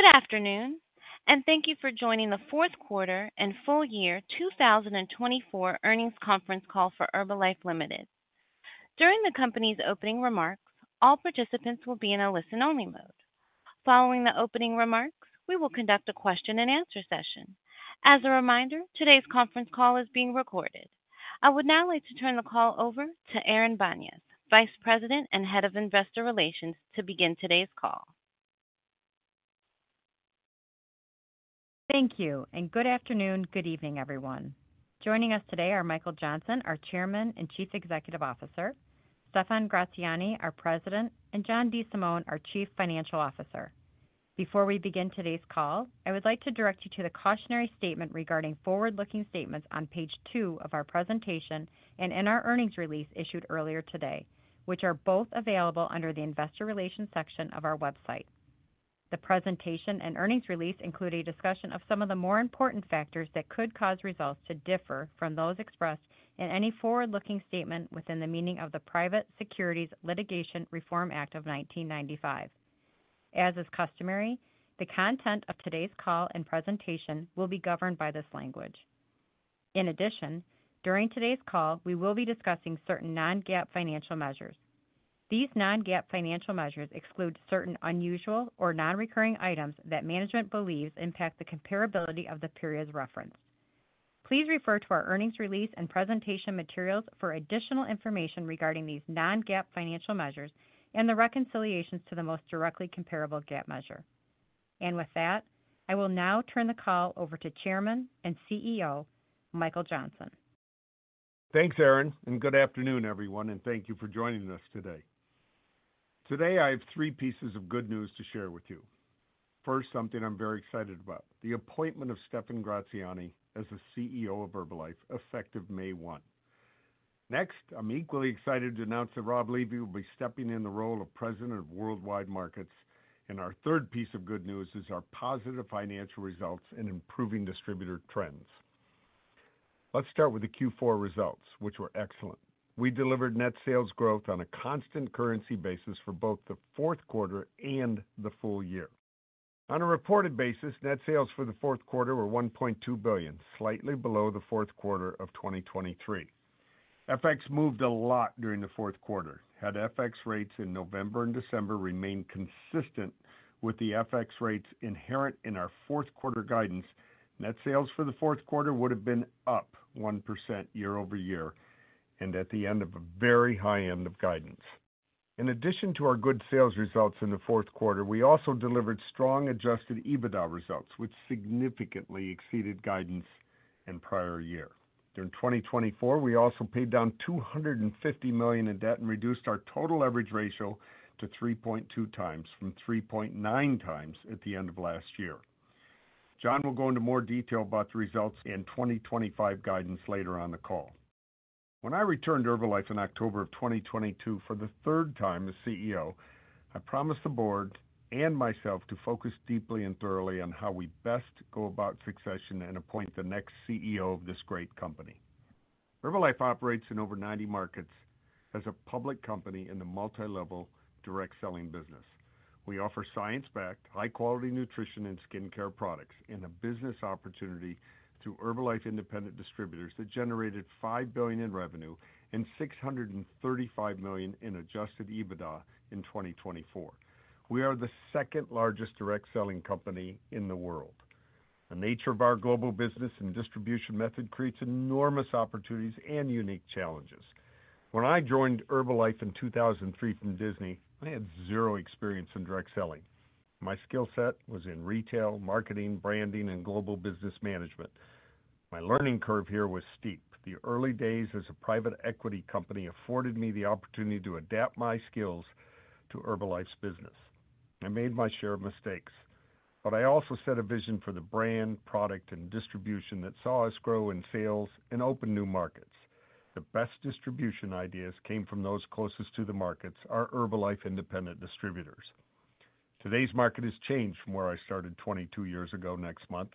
Good afternoon, and thank you for joining the Fourth Quarter and Full Year 2024 Earnings Conference Call for Herbalife Limited. During the company's opening remarks, all participants will be in a listen-only mode. Following the opening remarks, we will conduct a question-and-answer session. As a reminder, today's conference call is being recorded. I would now like to turn the call over to Erin Banyas, Vice President and Head of Investor Relations, to begin today's call. Thank you, and good afternoon, good evening, everyone. Joining us today are Michael Johnson, our Chairman and Chief Executive Officer, Stephan Gratziani, our President, and John DeSimone, our Chief Financial Officer. Before we begin today's call, I would like to direct you to the cautionary statement regarding forward-looking statements on page two of our presentation and in our earnings release issued earlier today, which are both available under the Investor Relations section of our website. The presentation and earnings release include a discussion of some of the more important factors that could cause results to differ from those expressed in any forward-looking statement within the meaning of the Private Securities Litigation Reform Act of 1995. As is customary, the content of today's call and presentation will be governed by this language. In addition, during today's call, we will be discussing certain non-GAAP financial measures. These non-GAAP financial measures exclude certain unusual or non-recurring items that management believes impact the comparability of the periods referenced. Please refer to our earnings release and presentation materials for additional information regarding these non-GAAP financial measures and the reconciliations to the most directly comparable GAAP measure. With that, I will now turn the call over to Chairman and CEO Michael Johnson. Thanks, Erin, and good afternoon, everyone, and thank you for joining us today. Today, I have three pieces of good news to share with you. First, something I'm very excited about: the appointment of Stephan Gratziani as the CEO of Herbalife effective May 1. Next, I'm equally excited to announce that Rob Levy will be stepping in the role of President of Worldwide Markets, and our third piece of good news is our positive financial results and improving distributor trends. Let's start with the Q4 results, which were excellent. We delivered net sales growth on a constant currency basis for both the fourth quarter and the full year. On a reported basis, net sales for the fourth quarter were $1.2 billion, slightly below the fourth quarter of 2023. FX moved a lot during the fourth quarter. Had FX rates in November and December remained consistent with the FX rates inherent in our fourth quarter guidance, net sales for the fourth quarter would have been up 1% year-over-year and at the very high end of guidance. In addition to our good sales results in the fourth quarter, we also delivered strong adjusted EBITDA results, which significantly exceeded guidance in prior year. During 2024, we also paid down $250 million in debt and reduced our total leverage ratio to 3.2x from 3.9x at the end of last year. John will go into more detail about the results and 2025 guidance later on the call. When I returned to Herbalife in October of 2022 for the third time as CEO, I promised the Board and myself to focus deeply and thoroughly on how we best go about succession and appoint the next CEO of this great company. Herbalife operates in over 90 markets as a public company in the multi-level direct selling business. We offer science-backed, high-quality nutrition and skincare products and a business opportunity through Herbalife independent distributors that generated $5 billion in revenue and $635 million in adjusted EBITDA in 2024. We are the second largest direct selling company in the world. The nature of our global business and distribution method creates enormous opportunities and unique challenges. When I joined Herbalife in 2003 from Disney, I had zero experience in direct selling. My skill set was in retail, marketing, branding, and global business management. My learning curve here was steep. The early days as a private equity company afforded me the opportunity to adapt my skills to Herbalife's business. I made my share of mistakes, but I also set a vision for the brand, product, and distribution that saw us grow in sales and open new markets. The best distribution ideas came from those closest to the markets, our Herbalife independent distributors. Today's market has changed from where I started 22 years ago next month.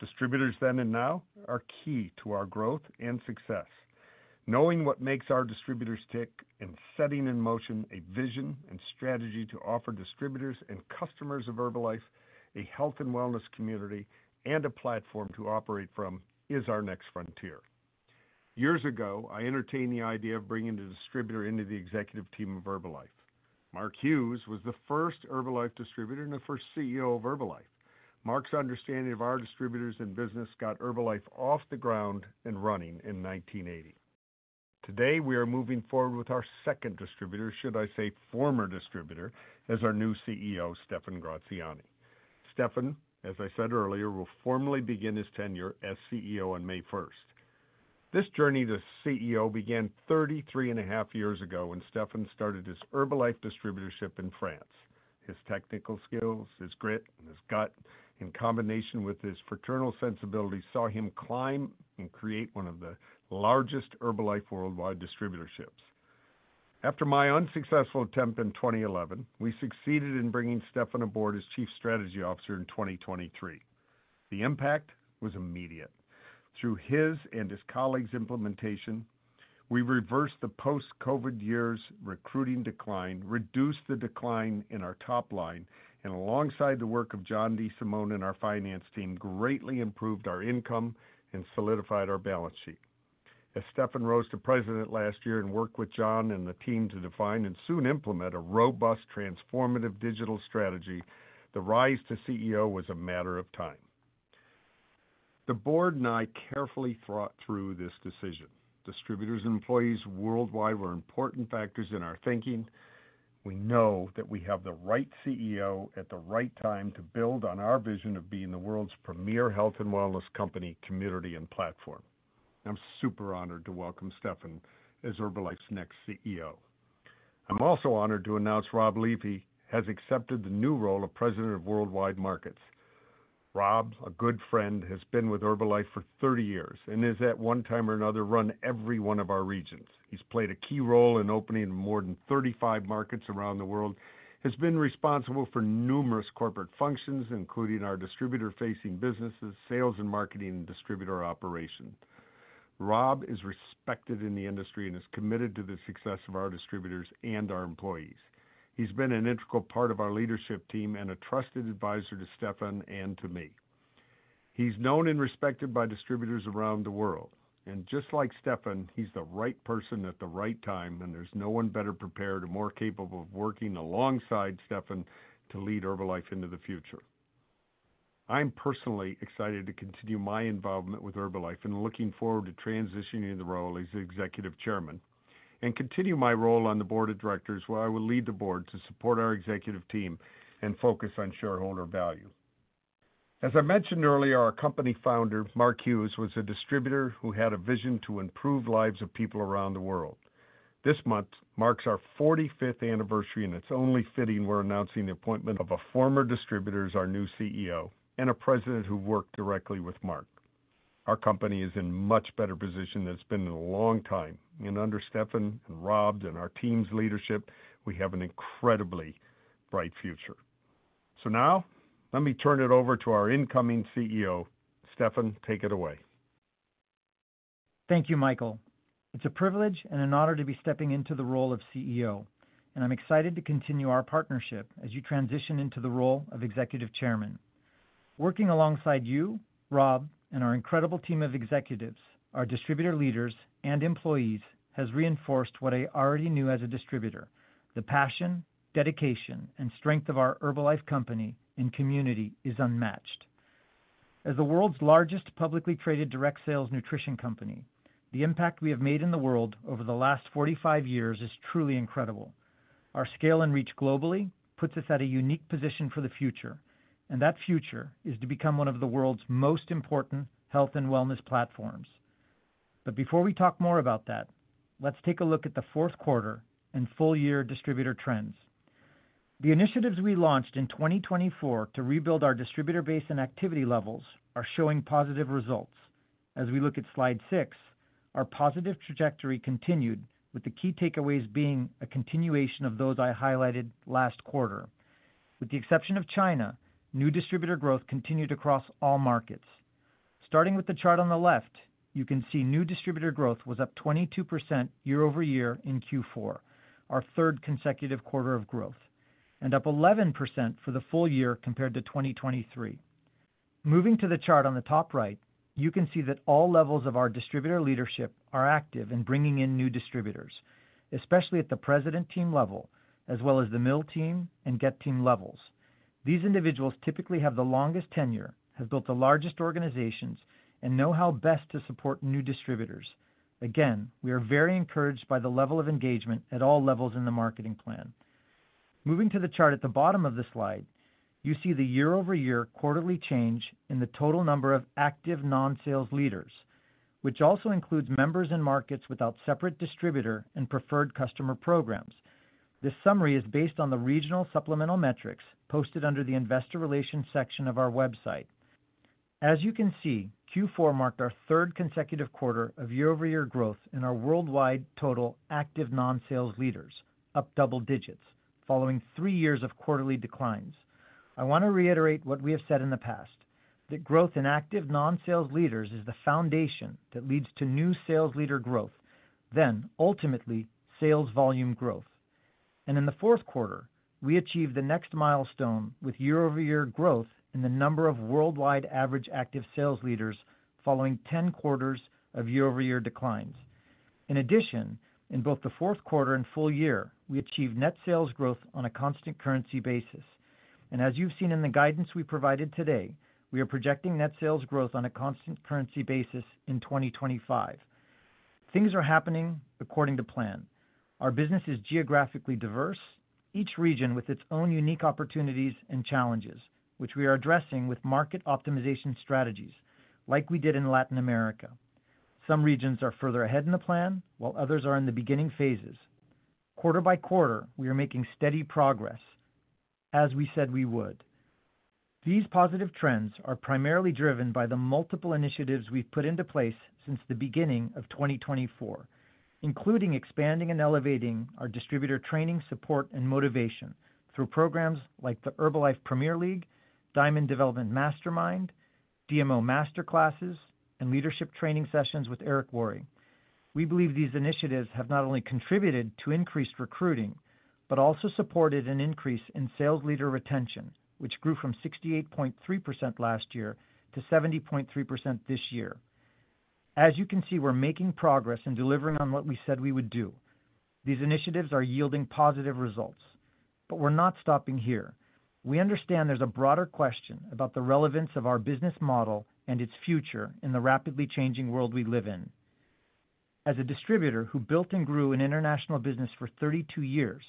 Distributors then and now are key to our growth and success. Knowing what makes our distributors tick and setting in motion a vision and strategy to offer distributors and customers of Herbalife a health and wellness community and a platform to operate from is our next frontier. Years ago, I entertained the idea of bringing a distributor into the executive team of Herbalife. Mark Hughes was the first Herbalife distributor and the first CEO of Herbalife. Mark's understanding of our distributors and business got Herbalife off the ground and running in 1980. Today, we are moving forward with our second distributor, should I say former distributor, as our new CEO, Stephan Gratziani. Stephan, as I said earlier, will formally begin his tenure as CEO on May 1st. This journey to CEO began 33 and a half years ago when Stephan started his Herbalife distributorship in France. His technical skills, his grit, and his gut, in combination with his fraternal sensibilities, saw him climb and create one of the largest Herbalife worldwide distributorships. After my unsuccessful attempt in 2011, we succeeded in bringing Stephan aboard as Chief Strategy Officer in 2023. The impact was immediate. Through his and his colleagues' implementation, we reversed the post-COVID years' recruiting decline, reduced the decline in our top line, and alongside the work of John DeSimone and our finance team, greatly improved our income and solidified our balance sheet. As Stephan rose to president last year and worked with John and the team to define and soon implement a robust transformative digital strategy, the rise to CEO was a matter of time. The board and I carefully thought through this decision. Distributors and employees worldwide were important factors in our thinking. We know that we have the right CEO at the right time to build on our vision of being the world's premier health and wellness company, community, and platform. I'm super honored to welcome Stephan as Herbalife's next CEO. I'm also honored to announce Rob Levy has accepted the new role of President of Worldwide Markets. Rob, a good friend, has been with Herbalife for 30 years and has at one time or another run every one of our regions. He's played a key role in opening more than 35 markets around the world, has been responsible for numerous corporate functions, including our distributor-facing businesses, sales and marketing, and distributor operation. Rob is respected in the industry and is committed to the success of our distributors and our employees. He's been an integral part of our leadership team and a trusted advisor to Stephan and to me. He's known and respected by distributors around the world, and just like Stephan, he's the right person at the right time, and there's no one better prepared or more capable of working alongside Stephan to lead Herbalife into the future. I'm personally excited to continue my involvement with Herbalife, and looking forward to transitioning the role as Executive Chairman and continue my role on the Board of Directors where I will lead the Board to support our executive team and focus on shareholder value. As I mentioned earlier, our company founder, Mark Hughes, was a distributor who had a vision to improve lives of people around the world. This month marks our 45th anniversary, and it's only fitting we're announcing the appointment of a former distributor as our new CEO and a president who worked directly with Mark. Our company is in a much better position than it's been in a long time, and under Stephan and Rob and our team's leadership, we have an incredibly bright future, so now, let me turn it over to our incoming CEO. Stephan, take it away. Thank you, Michael. It's a privilege and an honor to be stepping into the role of CEO, and I'm excited to continue our partnership as you transition into the role of Executive Chairman. Working alongside you, Rob, and our incredible team of executives, our distributor leaders, and employees has reinforced what I already knew as a distributor: the passion, dedication, and strength of our Herbalife company and community is unmatched. As the world's largest publicly traded direct sales nutrition company, the impact we have made in the world over the last 45 years is truly incredible. Our scale and reach globally puts us at a unique position for the future, and that future is to become one of the world's most important health and wellness platforms. But before we talk more about that, let's take a look at the fourth quarter and full year distributor trends. The initiatives we launched in 2024 to rebuild our distributor base and activity levels are showing positive results. As we look at slide six, our positive trajectory continued, with the key takeaways being a continuation of those I highlighted last quarter. With the exception of China, new distributor growth continued across all markets. Starting with the chart on the left, you can see new distributor growth was up 22% year-over-year in Q4, our third consecutive quarter of growth, and up 11% for the full year compared to 2023. Moving to the chart on the top right, you can see that all levels of our distributor leadership are active in bringing in new distributors, especially at the President team level, as well as the MIL team and GET team levels. These individuals typically have the longest tenure, have built the largest organizations, and know how best to support new distributors. Again, we are very encouraged by the level of engagement at all levels in the marketing plan. Moving to the chart at the bottom of the slide, you see the year-over-year quarterly change in the total number of active non-sales leaders, which also includes members and markets without separate distributor and preferred customer programs. This summary is based on the regional supplemental metrics posted under the Investor Relations section of our website. As you can see, Q4 marked our third consecutive quarter of year-over-year growth in our worldwide total active non-sales leaders, up double digits, following three years of quarterly declines. I want to reiterate what we have said in the past: that growth in active non-sales leaders is the foundation that leads to new sales leader growth, then ultimately sales volume growth. And in the fourth quarter, we achieved the next milestone with year-over-year growth in the number of worldwide average active sales leaders, following 10 quarters of year-over-year declines. In addition, in both the fourth quarter and full year, we achieved net sales growth on a constant currency basis. And as you've seen in the guidance we provided today, we are projecting net sales growth on a constant currency basis in 2025. Things are happening according to plan. Our business is geographically diverse, each region with its own unique opportunities and challenges, which we are addressing with market optimization strategies like we did in Latin America. Some regions are further ahead in the plan, while others are in the beginning phases. Quarter by quarter, we are making steady progress, as we said we would. These positive trends are primarily driven by the multiple initiatives we've put into place since the beginning of 2024, including expanding and elevating our distributor training, support, and motivation through programs like the Herbalife Premier League, Diamond Development Mastermind, DMO Masterclasses, and leadership training sessions with Eric Worre. We believe these initiatives have not only contributed to increased recruiting but also supported an increase in sales leader retention, which grew from 68.3% last year to 70.3% this year. As you can see, we're making progress in delivering on what we said we would do. These initiatives are yielding positive results, but we're not stopping here. We understand there's a broader question about the relevance of our business model and its future in the rapidly changing world we live in. As a distributor who built and grew an international business for 32 years,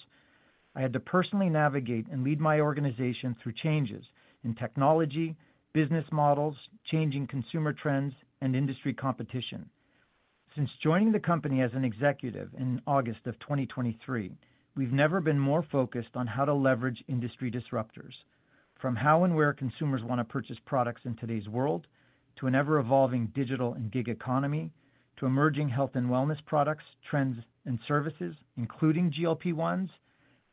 I had to personally navigate and lead my organization through changes in technology, business models, changing consumer trends, and industry competition. Since joining the company as an executive in August of 2023, we've never been more focused on how to leverage industry disruptors, from how and where consumers want to purchase products in today's world to an ever-evolving digital and gig economy, to emerging health and wellness products, trends, and services, including GLP-1s.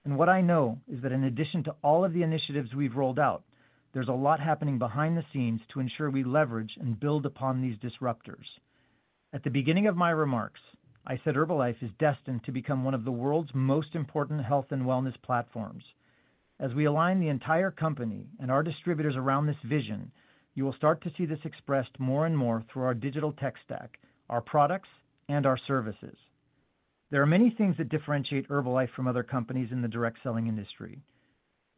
And what I know is that in addition to all of the initiatives we've rolled out, there's a lot happening behind the scenes to ensure we leverage and build upon these disruptors. At the beginning of my remarks, I said Herbalife is destined to become one of the world's most important health and wellness platforms. As we align the entire company and our distributors around this vision, you will start to see this expressed more and more through our digital tech stack, our products, and our services. There are many things that differentiate Herbalife from other companies in the direct selling industry.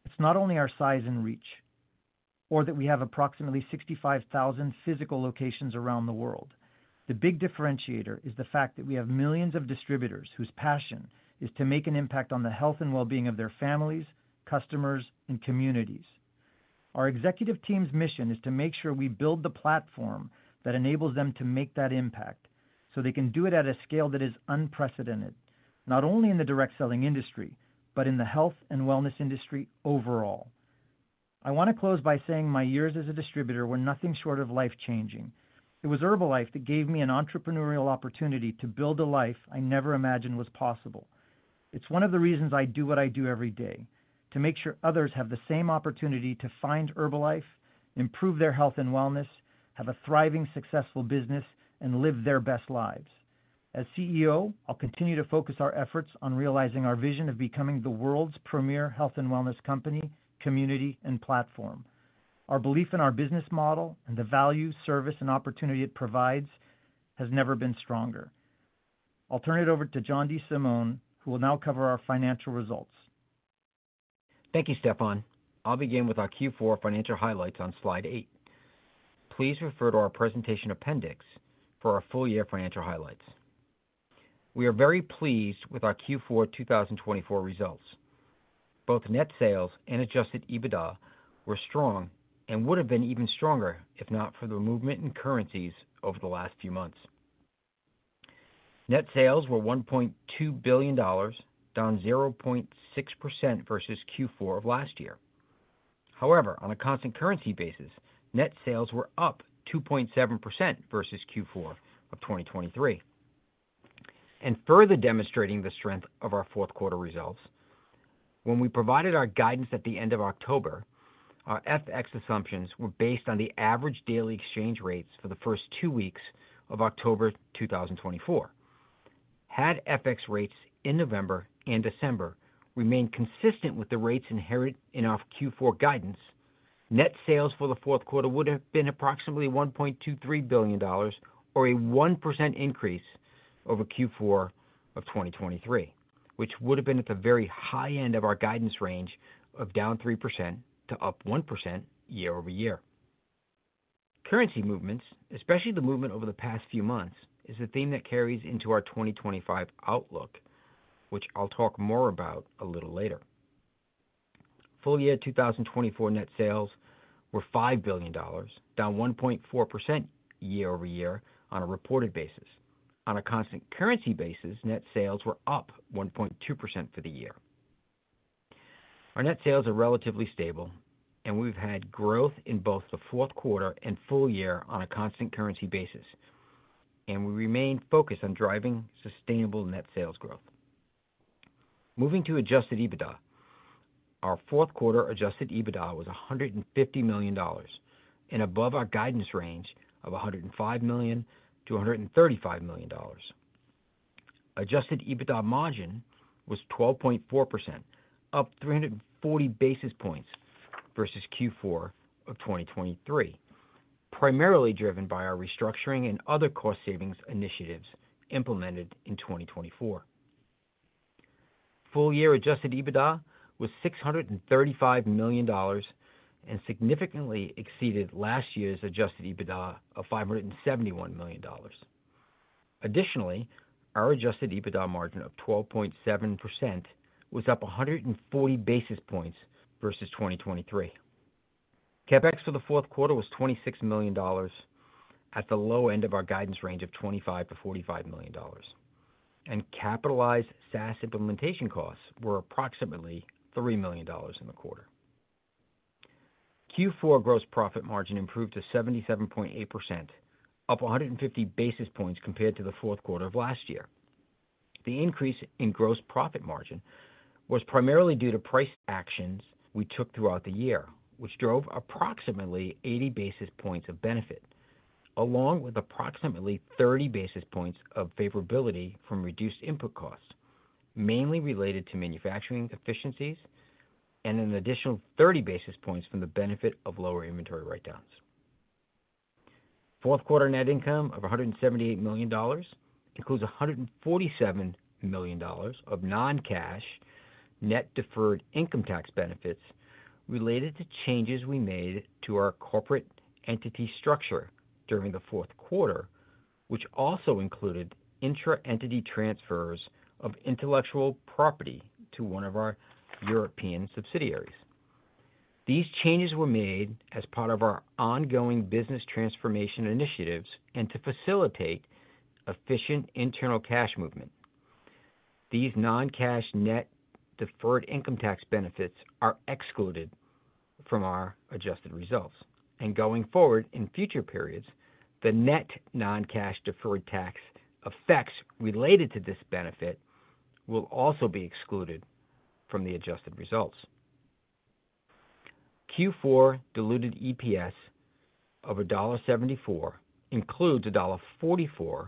It's not only our size and reach or that we have approximately 65,000 physical locations around the world. The big differentiator is the fact that we have millions of distributors whose passion is to make an impact on the health and well-being of their families, customers, and communities. Our executive team's mission is to make sure we build the platform that enables them to make that impact so they can do it at a scale that is unprecedented, not only in the direct selling industry but in the health and wellness industry overall. I want to close by saying my years as a distributor were nothing short of life-changing. It was Herbalife that gave me an entrepreneurial opportunity to build a life I never imagined was possible. It's one of the reasons I do what I do every day: to make sure others have the same opportunity to find Herbalife, improve their health and wellness, have a thriving, successful business, and live their best lives. As CEO, I'll continue to focus our efforts on realizing our vision of becoming the world's premier health and wellness company, community, and platform. Our belief in our business model and the value, service, and opportunity it provides has never been stronger. I'll turn it over to John DeSimone, who will now cover our financial results. Thank you, Stephan. I'll begin with our Q4 financial highlights on slide eight. Please refer to our presentation appendix for our full year financial highlights. We are very pleased with our Q4 2024 results. Both net sales and adjusted EBITDA were strong and would have been even stronger if not for the movement in currencies over the last few months. Net sales were $1.2 billion, down 0.6% versus Q4 of last year. However, on a constant currency basis, net sales were up 2.7% versus Q4 of 2023. And further demonstrating the strength of our fourth quarter results, when we provided our guidance at the end of October, our FX assumptions were based on the average daily exchange rates for the first two weeks of October 2024. Had FX rates in November and December remained consistent with the rates inherent in our Q4 guidance, net sales for the fourth quarter would have been approximately $1.23 billion or a 1% increase over Q4 of 2023, which would have been at the very high end of our guidance range of down 3% to up 1% year-over-year. Currency movements, especially the movement over the past few months, is a theme that carries into our 2025 outlook, which I'll talk more about a little later. Full year 2024 net sales were $5 billion, down 1.4% year-over-year on a reported basis. On a constant currency basis, net sales were up 1.2% for the year. Our net sales are relatively stable, and we've had growth in both the fourth quarter and full year on a constant currency basis. We remain focused on driving sustainable net sales growth. Moving to adjusted EBITDA, our fourth quarter adjusted EBITDA was $150 million and above our guidance range of $105 million-$135 million. Adjusted EBITDA margin was 12.4%, up 340 basis points versus Q4 of 2023, primarily driven by our restructuring and other cost savings initiatives implemented in 2024. Full year adjusted EBITDA was $635 million and significantly exceeded last year's adjusted EBITDA of $571 million. Additionally, our adjusted EBITDA margin of 12.7% was up 140 basis points versus 2023. CapEx for the fourth quarter was $26 million at the low end of our guidance range of $25 million-$45 million. Capitalized SaaS implementation costs were approximately $3 million in the quarter. Q4 gross profit margin improved to 77.8%, up 150 basis points compared to the fourth quarter of last year. The increase in gross profit margin was primarily due to price actions we took throughout the year, which drove approximately 80 basis points of benefit, along with approximately 30 basis points of favorability from reduced input costs, mainly related to manufacturing efficiencies and an additional 30 basis points from the benefit of lower inventory write-downs. Fourth quarter net income of $178 million includes $147 million of non-cash net deferred income tax benefits related to changes we made to our corporate entity structure during the fourth quarter, which also included intra-entity transfers of intellectual property to one of our European subsidiaries. These changes were made as part of our ongoing business transformation initiatives and to facilitate efficient internal cash movement. These non-cash net deferred income tax benefits are excluded from our adjusted results. Going forward in future periods, the net non-cash deferred tax effects related to this benefit will also be excluded from the adjusted results. Q4 diluted EPS of $1.74 includes $1.44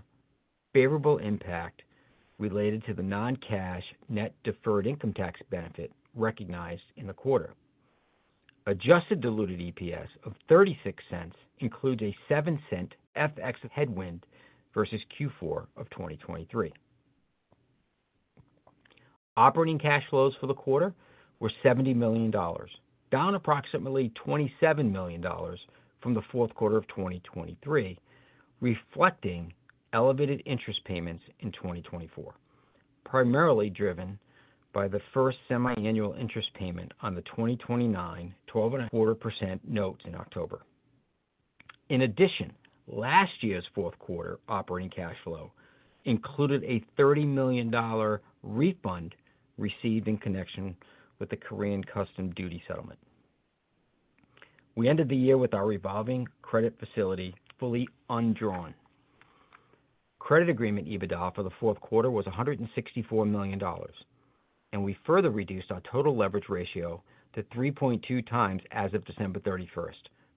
favorable impact related to the non-cash net deferred income tax benefit recognized in the quarter. Adjusted diluted EPS of $0.36 includes a $0.07 FX headwind versus Q4 of 2023. Operating cash flows for the quarter were $70 million, down approximately $27 million from the fourth quarter of 2023, reflecting elevated interest payments in 2024, primarily driven by the first semiannual interest payment on the 2029 12.25% note in October. In addition, last year's fourth quarter operating cash flow included a $30 million refund received in connection with the Korean customs duty settlement. We ended the year with our revolving credit facility fully undrawn. Credit agreement EBITDA for the fourth quarter was $164 million, and we further reduced our total leverage ratio to 3.2x as of December 31st,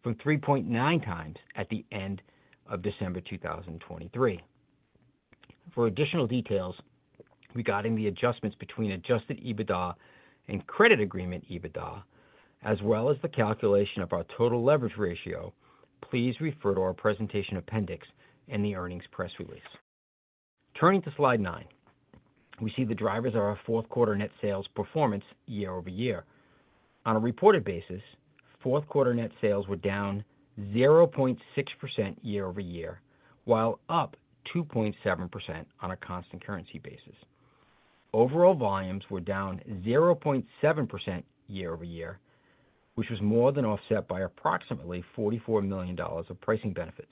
from 3.9x at the end of December 2023. For additional details regarding the adjustments between adjusted EBITDA and credit agreement EBITDA, as well as the calculation of our total leverage ratio, please refer to our presentation appendix and the earnings press release. Turning to slide nine, we see the drivers of our fourth quarter net sales performance year-over- year. On a reported basis, fourth quarter net sales were down 0.6% year-over-year, while up 2.7% on a constant currency basis. Overall volumes were down 0.7% year-over-year, which was more than offset by approximately $44 million of pricing benefits.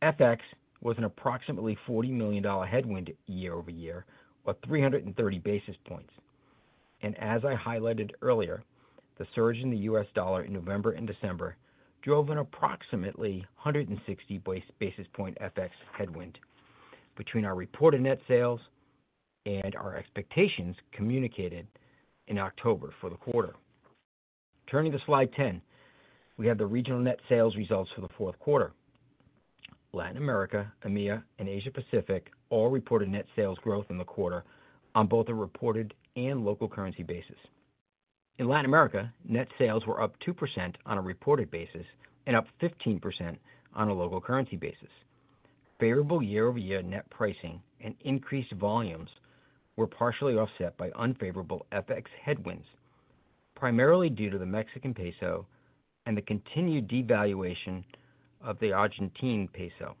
FX was an approximately $40 million headwind year-over-year, or 330 basis points. And as I highlighted earlier, the surge in the U.S. dollar in November and December drove an approximately 160 basis points FX headwind between our reported net sales and our expectations communicated in October for the quarter. Turning to slide 10, we have the regional net sales results for the fourth quarter. Latin America, EMEA, and Asia-Pacific all reported net sales growth in the quarter on both a reported and local currency basis. In Latin America, net sales were up 2% on a reported basis and up 15% on a local currency basis. Favorable year-over-year net pricing and increased volumes were partially offset by unfavorable FX headwinds, primarily due to the Mexican peso and the continued devaluation of the Argentine peso.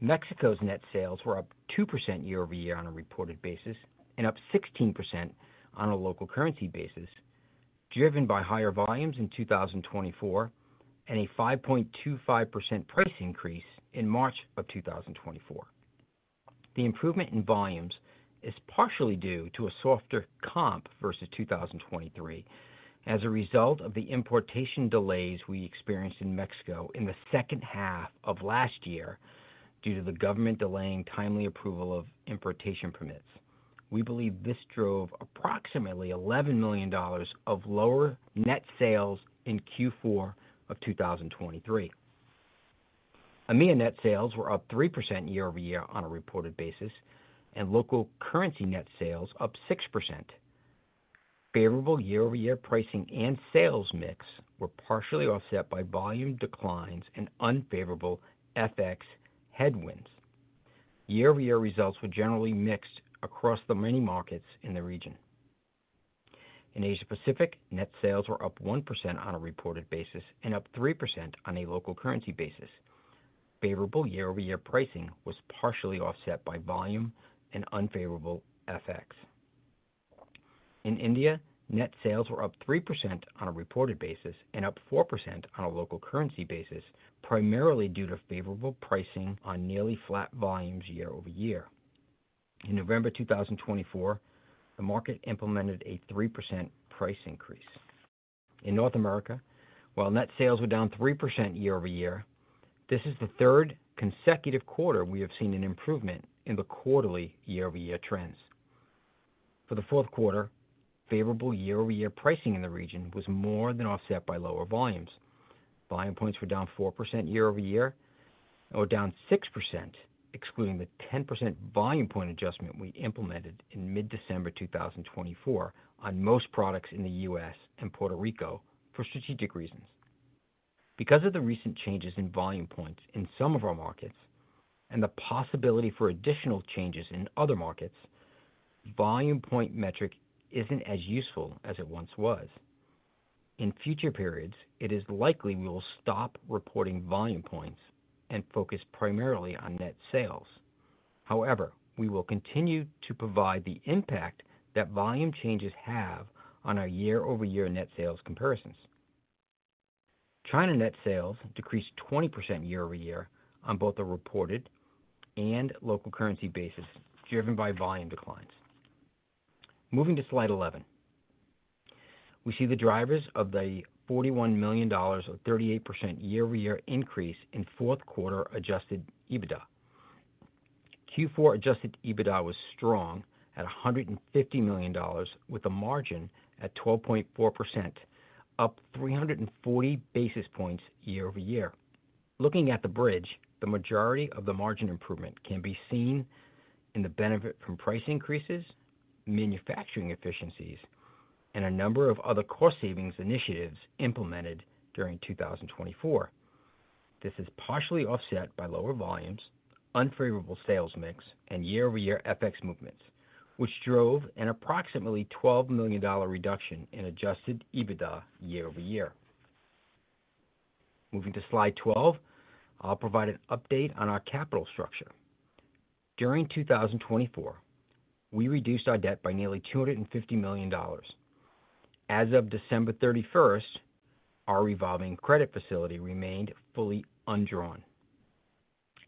Mexico's net sales were up 2% year-over-year on a reported basis and up 16% on a local currency basis, driven by higher volumes in 2024 and a 5.25% price increase in March of 2024. The improvement in volumes is partially due to a softer comp versus 2023 as a result of the importation delays we experienced in Mexico in the second half of last year due to the government delaying timely approval of importation permits. We believe this drove approximately $11 million of lower net sales in Q4 of 2023. EMEA net sales were up 3% year-over-year on a reported basis, and local currency net sales up 6%. Favorable year-over-year pricing and sales mix were partially offset by volume declines and unfavorable FX headwinds. Year-over-year results were generally mixed across the many markets in the region. In Asia-Pacific, net sales were up 1% on a reported basis and up 3% on a local currency basis. Favorable year-over-year pricing was partially offset by volume and unfavorable FX. In India, net sales were up 3% on a reported basis and up 4% on a local currency basis, primarily due to favorable pricing on nearly flat volumes year-over-year. In November 2024, the market implemented a 3% price increase. In North America, while net sales were down 3% year-over-year, this is the third consecutive quarter we have seen an improvement in the quarterly year-over-year trends. For the fourth quarter, favorable year-over-year pricing in the region was more than offset by lower volumes. Volume points were down 4% year-over-year or down 6%, excluding the 10% volume point adjustment we implemented in mid-December 2024 on most products in the U.S. and Puerto Rico for strategic reasons. Because of the recent changes in volume points in some of our markets and the possibility for additional changes in other markets, volume points metric isn't as useful as it once was. In future periods, it is likely we will stop reporting volume points and focus primarily on net sales. However, we will continue to provide the impact that volume changes have on our year-over-year net sales comparisons. China net sales decreased 20% year-over-year on both a reported and local currency basis, driven by volume declines. Moving to slide 11, we see the drivers of the $41 million or 38% year-over-year increase in fourth quarter ajusted EBITDA. Q4 adjusted EBITDA was strong at $150 million, with a margin at 12.4%, up 340 basis points year-over-year. Looking at the bridge, the majority of the margin improvement can be seen in the benefit from price increases, manufacturing efficiencies, and a number of other cost savings initiatives implemented during 2024. This is partially offset by lower volumes, unfavorable sales mix, and year-over-year FX movements, which drove an approximately $12 million reduction in adjusted EBITDA year-over-year. Moving to slide 12, I'll provide an update on our capital structure. During 2024, we reduced our debt by nearly $250 million. As of December 31st, our revolving credit facility remained fully undrawn.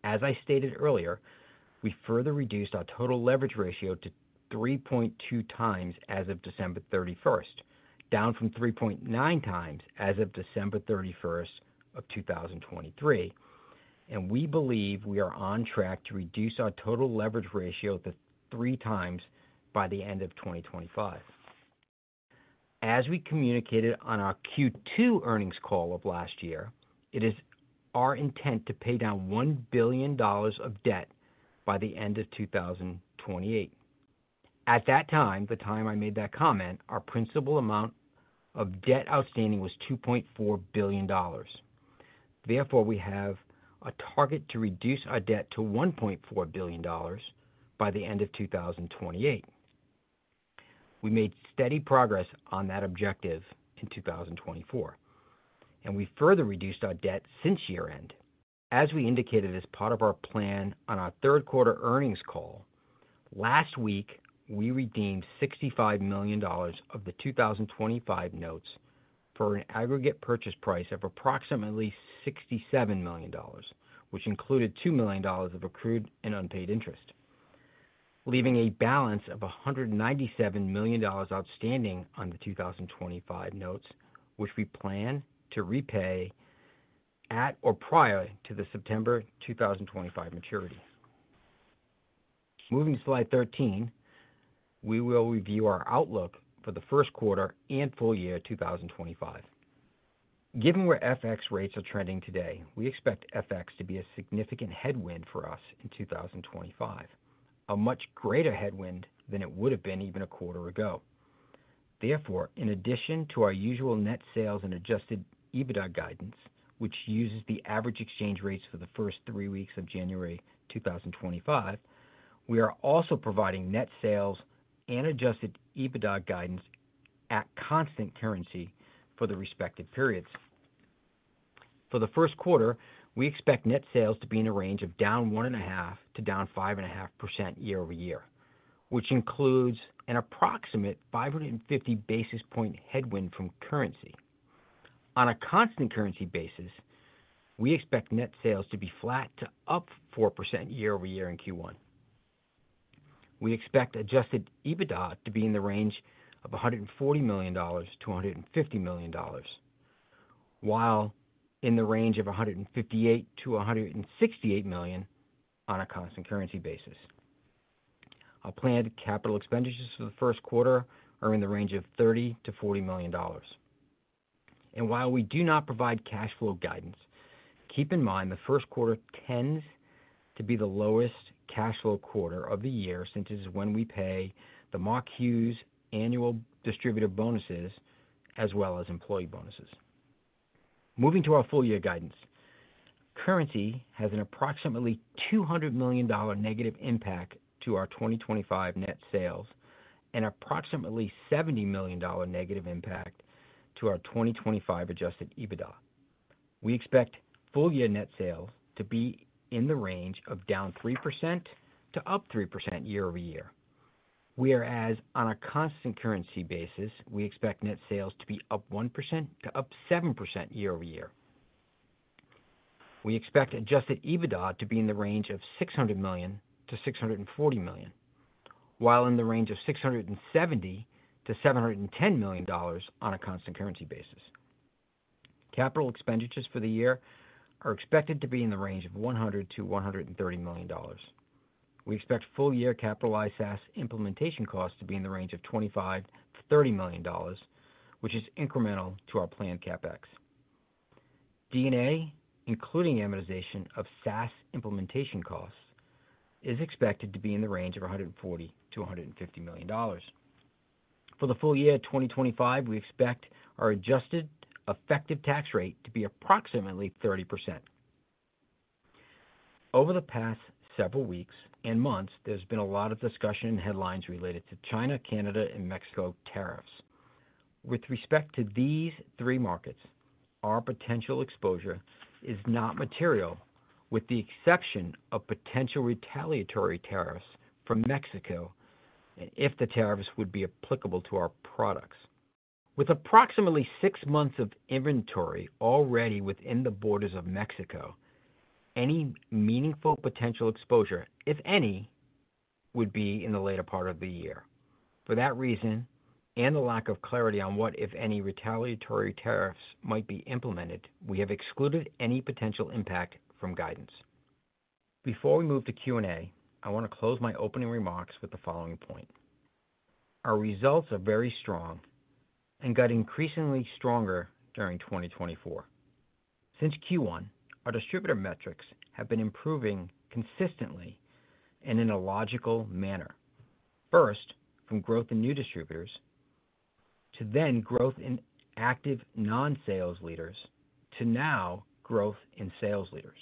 As I stated earlier, we further reduced our total leverage ratio to 3.2x as of December 31st, down from 3.9x as of December 31st of 2023. And we believe we are on track to reduce our total leverage ratio to 3x by the end of 2025. As we communicated on our Q2 earnings call of last year, it is our intent to pay down $1 billion of debt by the end of 2028. At that time, the time I made that comment, our principal amount of debt outstanding was $2.4 billion. Therefore, we have a target to reduce our debt to $1.4 billion by the end of 2028. We made steady progress on that objective in 2024, and we further reduced our debt since year-end. As we indicated as part of our plan on our third quarter earnings call, last week we redeemed $65 million of the 2025 notes for an aggregate purchase price of approximately $67 million, which included $2 million of accrued and unpaid interest, leaving a balance of $197 million outstanding on the 2025 notes, which we plan to repay at or prior to the September 2025 maturity. Moving to slide 13, we will review our outlook for the first quarter and full year 2025. Given where FX rates are trending today, we expect FX to be a significant headwind for us in 2025, a much greater headwind than it would have been even a quarter ago. Therefore, in addition to our usual net sales and adjusted EBITDA guidance, which uses the average exchange rates for the first three weeks of January 2025, we are also providing net sales and adjusted EBITDA guidance at constant currency for the respective periods. For the first quarter, we expect net sales to be in a range of down 1.5% to down 5.5% year-over-year, which includes an approximate 550 basis point headwind from currency. On a constant currency basis, we expect net sales to be flat to up 4% year-over-year in Q1. We expect adjusted EBITDA to be in the range of $140 million-$150 million, while in the range of $158 million-$168 million on a constant currency basis. Our planned capital expenditures for the first quarter are in the range of $30 million-$40 million. And while we do not provide cash flow guidance, keep in mind the first quarter tends to be the lowest cash flow quarter of the year since it is when we pay the Mark Hughes annual distributor bonuses as well as employee bonuses. Moving to our full year guidance, currency has an approximately $200 million negative impact to our 2025 net sales and approximately $70 million negative impact to our 2025 adjusted EBITDA. We expect full year net sales to be in the range of down 3% to up 3% year-over-year. Whereas on a constant currency basis, we expect net sales to be up 1% to up 7% year-over-year. We expect adjusted EBITDA to be in the range of $600 million-$640 million, while in the range of $670 million-$710 million on a constant currency basis. Capital expenditures for the year are expected to be in the range of $100 million-$130 million. We expect full year capitalized SaaS implementation costs to be in the range of $25 million-$30 million, which is incremental to our planned CapEx. D&A, including amortization of SaaS implementation costs, is expected to be in the range of $140 million-$150 million. For the full year 2025, we expect our adjusted effective tax rate to be approximately 30%. Over the past several weeks and months, there's been a lot of discussion and headlines related to China, Canada, and Mexico tariffs. With respect to these three markets, our potential exposure is not material, with the exception of potential retaliatory tariffs from Mexico if the tariffs would be applicable to our products. With approximately six months of inventory already within the borders of Mexico, any meaningful potential exposure, if any, would be in the later part of the year. For that reason and the lack of clarity on what, if any, retaliatory tariffs might be implemented, we have excluded any potential impact from guidance. Before we move to Q&A, I want to close my opening remarks with the following point. Our results are very strong and got increasingly stronger during 2024. Since Q1, our distributor metrics have been improving consistently and in a logical manner. First, from growth in new distributors to then growth in active non-sales leaders to now growth in sales leaders.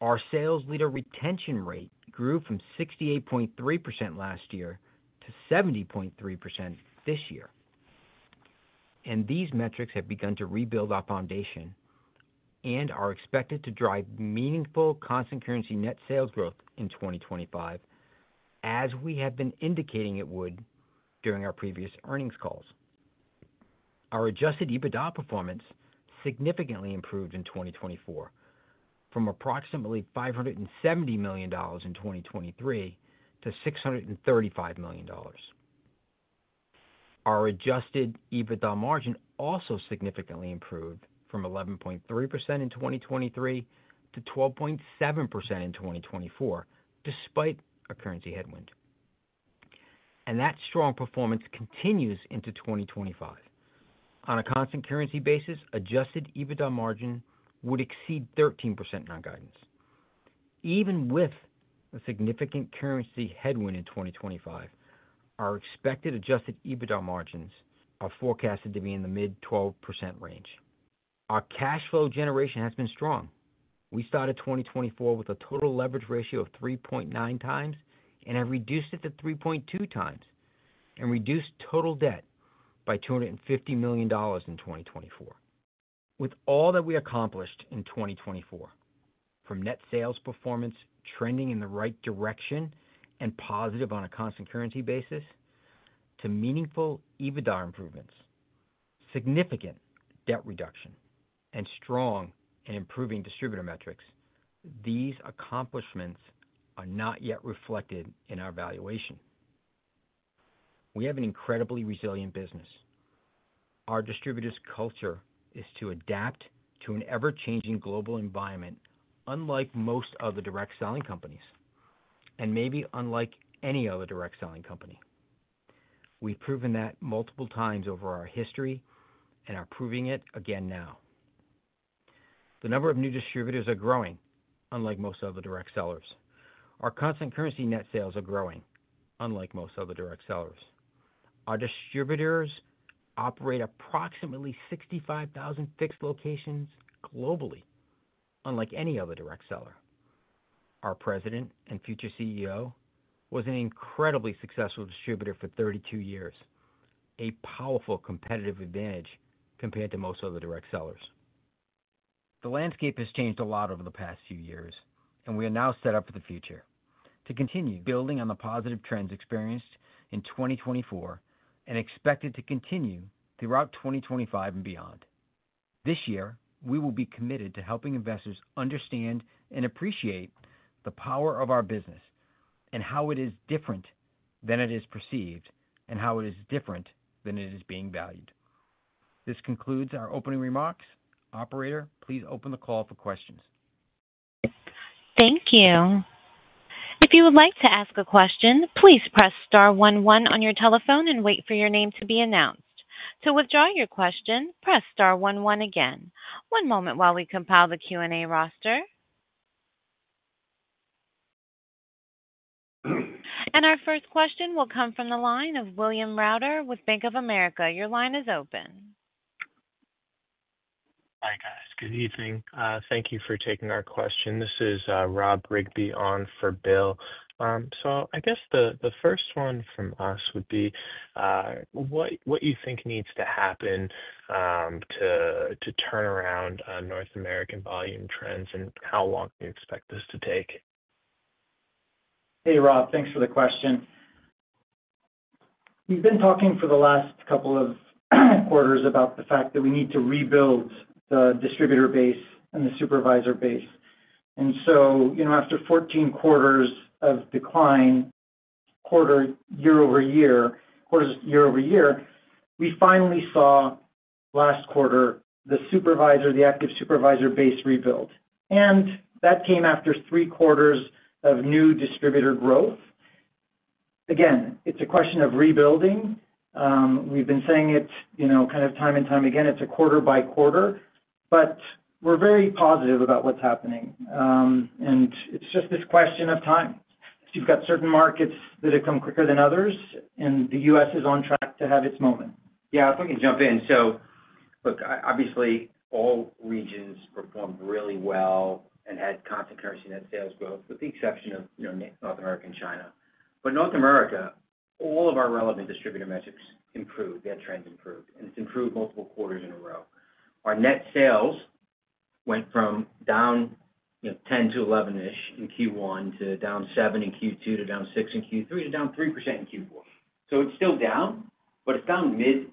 Our sales leader retention rate grew from 68.3% last year to 70.3% this year, and these metrics have begun to rebuild our foundation and are expected to drive meaningful constant currency net sales growth in 2025, as we have been indicating it would during our previous earnings calls. Our adjusted EBITDA performance significantly improved in 2024 from approximately $570 million in 2023 to $635 million. Our adjusted EBITDA margin also significantly improved from 11.3% in 2023 to 12.7% in 2024, despite a currency headwind, and that strong performance continues into 2025. On a constant currency basis, adjusted EBITDA margin would exceed 13% in our guidance. Even with a significant currency headwind in 2025, our expected adjusted EBITDA margins are forecasted to be in the mid-12% range. Our cash flow generation has been strong. We started 2024 with a total leverage ratio of 3.9x and have reduced it to 3.2x and reduced total debt by $250 million in 2024. With all that we accomplished in 2024, from net sales performance trending in the right direction and positive on a constant currency basis, to meaningful EBITDA improvements, significant debt reduction, and strong and improving distributor metrics, these accomplishments are not yet reflected in our valuation. We have an incredibly resilient business. Our distributor's culture is to adapt to an ever-changing global environment, unlike most other direct selling companies and maybe unlike any other direct selling company. We've proven that multiple times over our history and are proving it again now. The number of new distributors are growing, unlike most other direct sellers. Our constant currency net sales are growing, unlike most other direct sellers. Our distributors operate approximately 65,000 fixed locations globally, unlike any other direct seller. Our President and future CEO was an incredibly successful distributor for 32 years, a powerful competitive advantage compared to most other direct sellers. The landscape has changed a lot over the past few years, and we are now set up for the future to continue building on the positive trends experienced in 2024 and expected to continue throughout 2025 and beyond. This year, we will be committed to helping investors understand and appreciate the power of our business and how it is different than it is perceived and how it is different than it is being valued. This concludes our opening remarks. Operator, please open the call for questions. Thank you. If you would like to ask a question, please press star one one on your telephone and wait for your name to be announced. To withdraw your question, press star one one again. One moment while we compile the Q&A roster. Our first question will come from the line of William Reuter with Bank of America. Your line is open. Hi, guys. Good evening. Thank you for taking our question. This is Rob Rigby on for Bill. So I guess the first one from us would be what you think needs to happen to turn around North American volume trends and how long you expect this to take. Hey, Rob. Thanks for the question. We've been talking for the last couple of quarters about the fact that we need to rebuild the distributor base and the supervisor base. So after 14 quarters of decline, quarter year-over-year, quarters year-over-year, we finally saw last quarter the supervisor, the active supervisor base rebuild. That came after three quarters of new distributor growth. Again, it's a question of rebuilding. We've been saying it kind of time and time again. It's a quarter by quarter. But we're very positive about what's happening. And it's just this question of time. You've got certain markets that have come quicker than others, and the U.S. is on track to have its moment. Yeah, if I can jump in. So look, obviously, all regions performed really well and had constant currency net sales growth with the exception of North America and China. But North America, all of our relevant distributor metrics improved. Their trends improved, and it's improved multiple quarters in a row. Our net sales went from down 10%-11%-ish in Q1 to down 7% in Q2 to down 6% in Q3 to down 3% in Q4. So it's still down, but it's down mid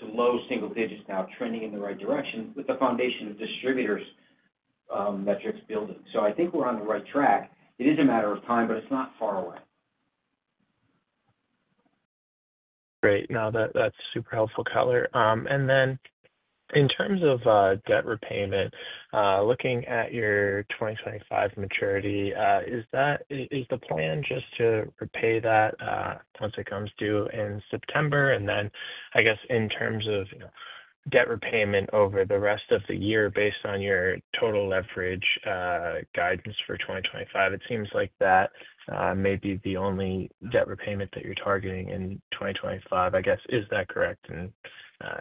to low single digits now, trending in the right direction with the foundation of distributors' metrics building. So I think we're on the right track. It is a matter of time, but it's not far away. Great. No, that's super helpful, color. And then in terms of debt repayment, looking at your 2025 maturity, is the plan just to repay that once it comes due in September? And then I guess in terms of debt repayment over the rest of the year based on your total leverage guidance for 2025, it seems like that may be the only debt repayment that you're targeting in 2025. I guess, is that correct? And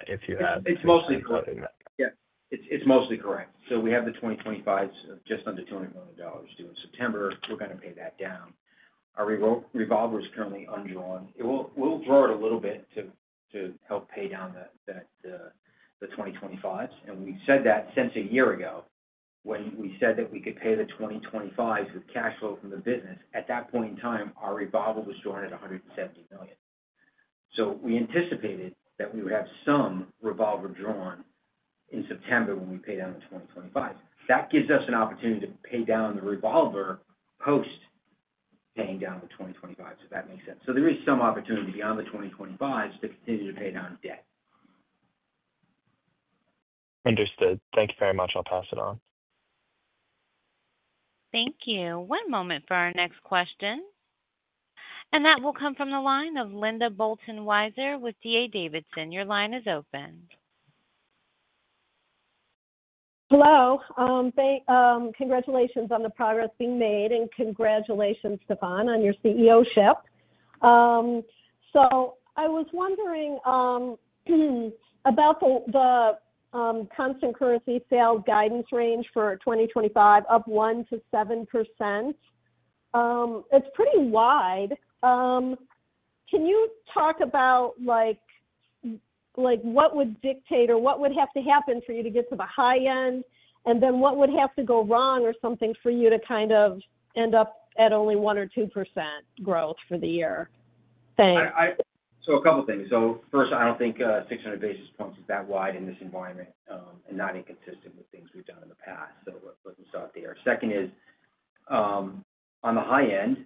if you have. It's mostly correct. Yeah. It's mostly correct. So we have the 2025 just under $200 million due in September. We're going to pay that down. Our revolver is currently undrawn. We'll draw it a little bit to help pay down the 2025s. And we said that since a year ago when we said that we could pay the 2025s with cash flow from the business. At that point in time, our revolver was drawn at $170 million. So we anticipated that we would have some revolver drawn in September when we pay down the 2025s. That gives us an opportunity to pay down the revolver post-paying down the 2025s, if that makes sense. So there is some opportunity beyond the 2025s to continue to pay down debt. Understood. Thank you very much. I'll pass it on. Thank you. One moment for our next question. And that will come from the line of Linda Bolton Weiser with D.A. Davidson. Your line is open. Hello. Congratulations on the progress being made, and congratulations, Stephan, on your CEOship. I was wondering about the constant currency sales guidance range for 2025, up 1%-7%. It's pretty wide. Can you talk about what would dictate or what would have to happen for you to get to the high end, and then what would have to go wrong or something for you to kind of end up at only 1% or 2% growth for the year? Thanks. A couple of things. First, I don't think 600 basis points is that wide in this environment and not inconsistent with things we've done in the past. Let's start there. Second is, on the high end,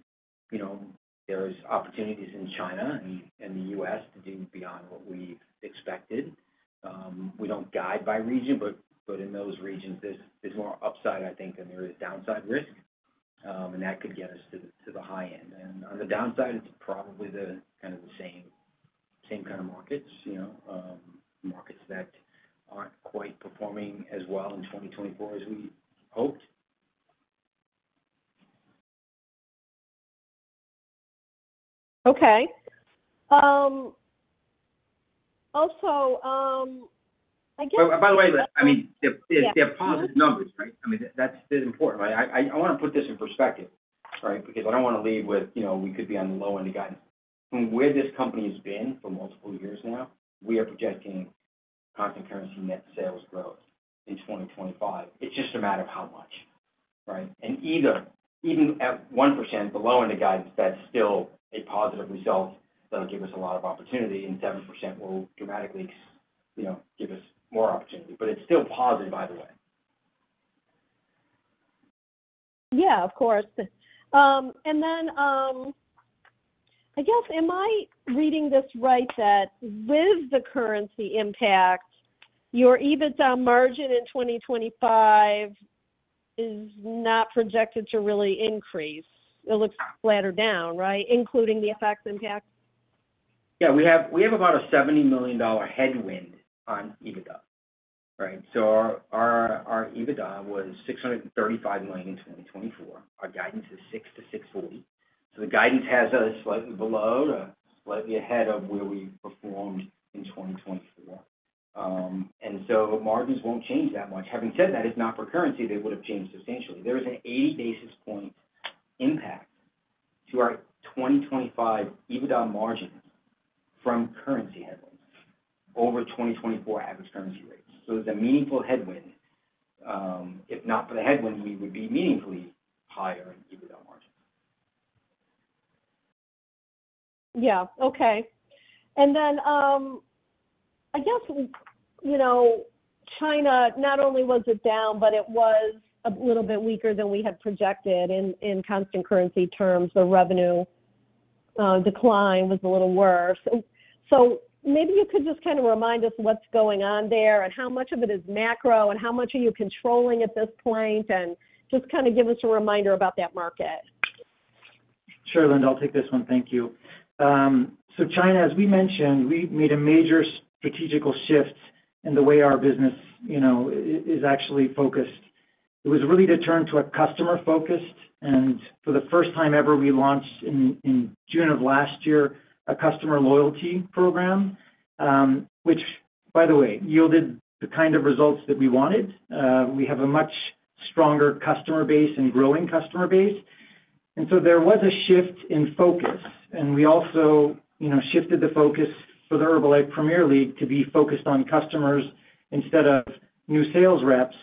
there are opportunities in China and the U.S. to do beyond what we've expected. We don't guide by region, but in those regions, there's more upside, I think, than there is downside risk, and that could get us to the high end. On the downside, it's probably kind of the same kind of markets, markets that aren't quite performing as well in 2024 as we hoped. Okay. Also, I guess. By the way, I mean, they're positive numbers, right? I mean, that's important. I want to put this in perspective, right, because I don't want to leave with we could be on the low end of guidance. From where this company has been for multiple years now, we are projecting constant currency net sales growth in 2025. It's just a matter of how much, right? And even at 1% below in the guidance, that's still a positive result that'll give us a lot of opportunity, and 7% will dramatically give us more opportunity. But it's still positive, by the way. Yeah, of course. I guess, am I reading this right that with the currency impact, your EBITDA margin in 2025 is not projected to really increase? It looks flatter down, right, including the effects impact? Yeah. We have about a $70 million headwind on EBITDA, right? Our EBITDA was $635 million in 2024. Our guidance is $600 million-$640 million. The guidance has us slightly below to slightly ahead of where we performed in 2024. Margins won't change that much. Having said that, it's not for currency that would have changed substantially. There is an 80 basis points impact to our 2025 EBITDA margin from currency headwinds over 2024 average currency rates. There's a meaningful headwind. If not for the headwind, we would be meaningfully higher in EBITDA margins. Yeah. Okay. Then I guess China not only was it down, but it was a little bit weaker than we had projected in constant currency terms. The revenue decline was a little worse. So maybe you could just kind of remind us what's going on there and how much of it is macro and how much are you controlling at this point and just kind of give us a reminder about that market. Sure, Linda. I'll take this one. Thank you. So China, as we mentioned, we made a major strategic shift in the way our business is actually focused. It was really to turn to a customer-focused, and for the first time ever, we launched in June of last year a customer loyalty program, which, by the way, yielded the kind of results that we wanted. We have a much stronger customer base and growing customer base. There was a shift in focus, and we also shifted the focus for the Herbalife Premier League to be focused on customers instead of new sales reps,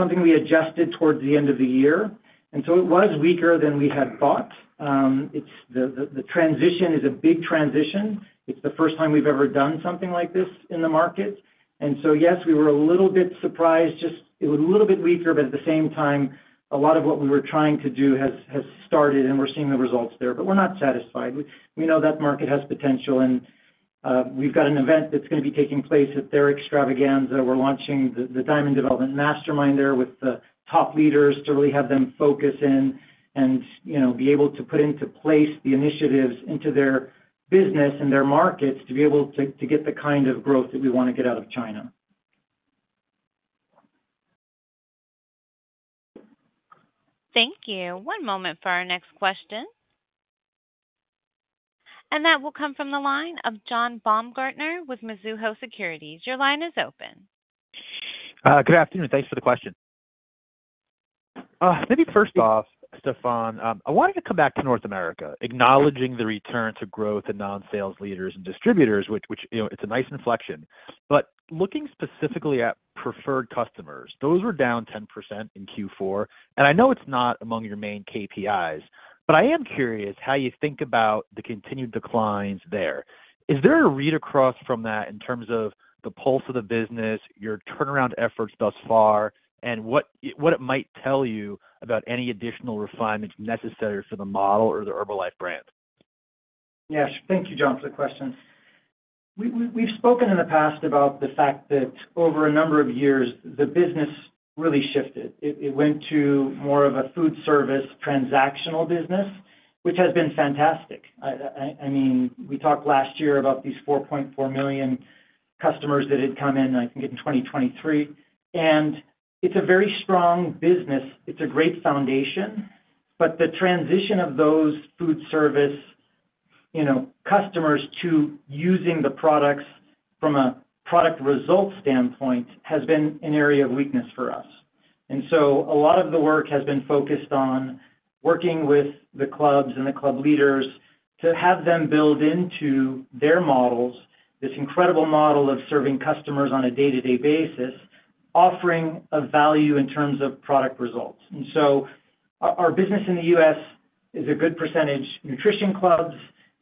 something we adjusted toward the end of the year. It was weaker than we had thought. The transition is a big transition. It's the first time we've ever done something like this in the market. Yes, we were a little bit surprised. It was a little bit weaker, but at the same time, a lot of what we were trying to do has started, and we're seeing the results there. We're not satisfied. We know that market has potential, and we've got an event that's going to be taking place at their Extravaganza. We're launching the Diamond Development Mastermind there with the top leaders to really have them focus in and be able to put into place the initiatives into their business and their markets to be able to get the kind of growth that we want to get out of China. Thank you. One moment for our next question. And that will come from the line of John Baumgartner with Mizuho Securities. Your line is open. Good afternoon. Thanks for the question. Maybe first off, Stephan, I wanted to come back to North America, acknowledging the return to growth in non-sales leaders and distributors, which it's a nice inflection. But looking specifically at preferred customers, those were down 10% in Q4. And I know it's not among your main KPIs, but I am curious how you think about the continued declines there. Is there a read across from that in terms of the pulse of the business, your turnaround efforts thus far, and what it might tell you about any additional refinements necessary for the model or the Herbalife brand? Yes. Thank you, John, for the question. We've spoken in the past about the fact that over a number of years, the business really shifted. It went to more of a foodservice transactional business, which has been fantastic. I mean, we talked last year about these 4.4 million customers that had come in, I think, in 2023, and it's a very strong business. It's a great foundation, but the transition of those foodservice customers to using the products from a product result standpoint has been an area of weakness for us. And so a lot of the work has been focused on working with the clubs and the club leaders to have them build into their models this incredible model of serving customers on a day-to-day basis, offering a value in terms of product results. And so our business in the U.S. is a good percentage nutrition clubs.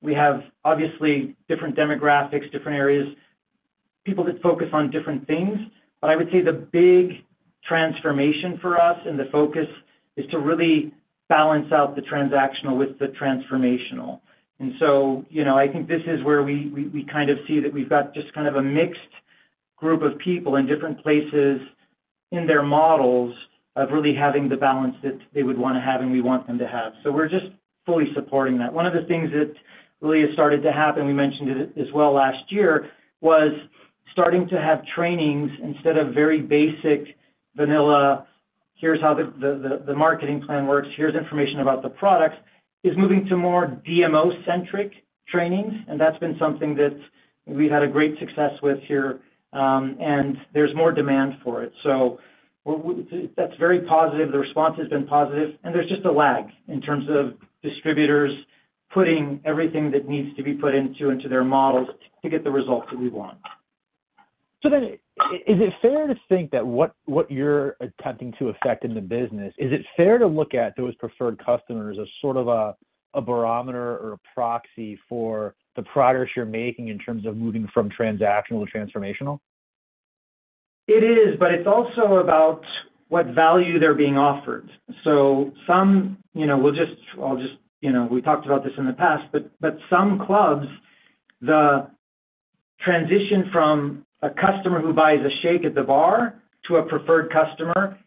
We have, obviously, different demographics, different areas, people that focus on different things. But I would say the big transformation for us and the focus is to really balance out the transactional with the transformational. And so I think this is where we kind of see that we've got just kind of a mixed group of people in different places in their models of really having the balance that they would want to have and we want them to have. So we're just fully supporting that. One of the things that really has started to happen, we mentioned it as well last year, was starting to have trainings instead of very basic vanilla, "Here's how the marketing plan works. Here's information about the products," is moving to more DMO-centric trainings. And that's been something that we've had a great success with here, and there's more demand for it. So that's very positive. The response has been positive. And there's just a lag in terms of distributors putting everything that needs to be put into their models to get the results that we want. So then is it fair to think that what you're attempting to affect in the business, is it fair to look at those preferred customers as sort of a barometer or a proxy for the progress you're making in terms of moving from transactional to transformational? It is, but it's also about what value they're being offered. So we talked about this in the past, but some clubs, the transition from a customer who buys a shake at the bar to a preferred customer,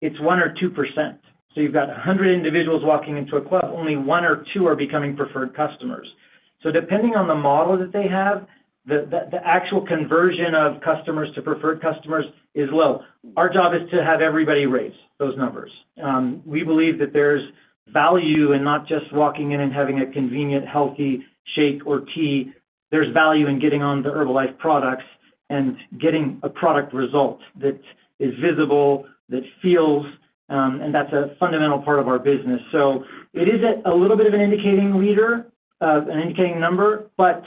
it's 1% or 2%. So you've got 100 individuals walking into a club, only one or two are becoming preferred customers. So depending on the model that they have, the actual conversion of customers to preferred customers is low. Our job is to have everybody raise those numbers. We believe that there's value in not just walking in and having a convenient, healthy shake or tea. There's value in getting on the Herbalife products and getting a product result that is visible, that feels, and that's a fundamental part of our business. It is a little bit of an indicating leader, an indicating number, but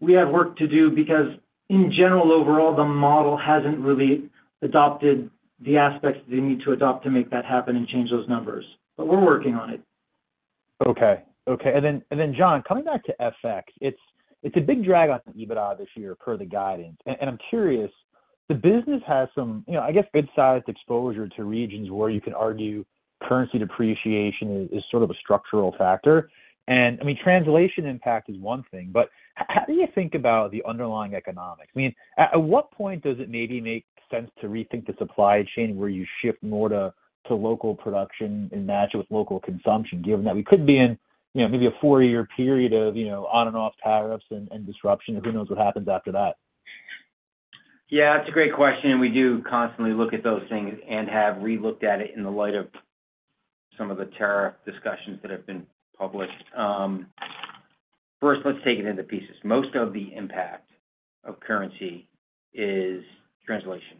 we have work to do because, in general, overall, the model hasn't really adopted the aspects that they need to adopt to make that happen and change those numbers. But we're working on it. Okay. Okay. And then, John, coming back to FX, it's a big drag on EBITDA this year per the guidance. And I'm curious, the business has some, I guess, good-sized exposure to regions where you can argue currency depreciation is sort of a structural factor. And I mean, translation impact is one thing, but how do you think about the underlying economics? I mean, at what point does it maybe make sense to rethink the supply chain where you shift more to local production and match it with local consumption, given that we could be in maybe a four-year period of on-and-off tariffs and disruption? Who knows what happens after that? Yeah. That's a great question. We do constantly look at those things and have relooked at it in the light of some of the tariff discussions that have been published. First, let's take it into pieces. Most of the impact of currency is translation,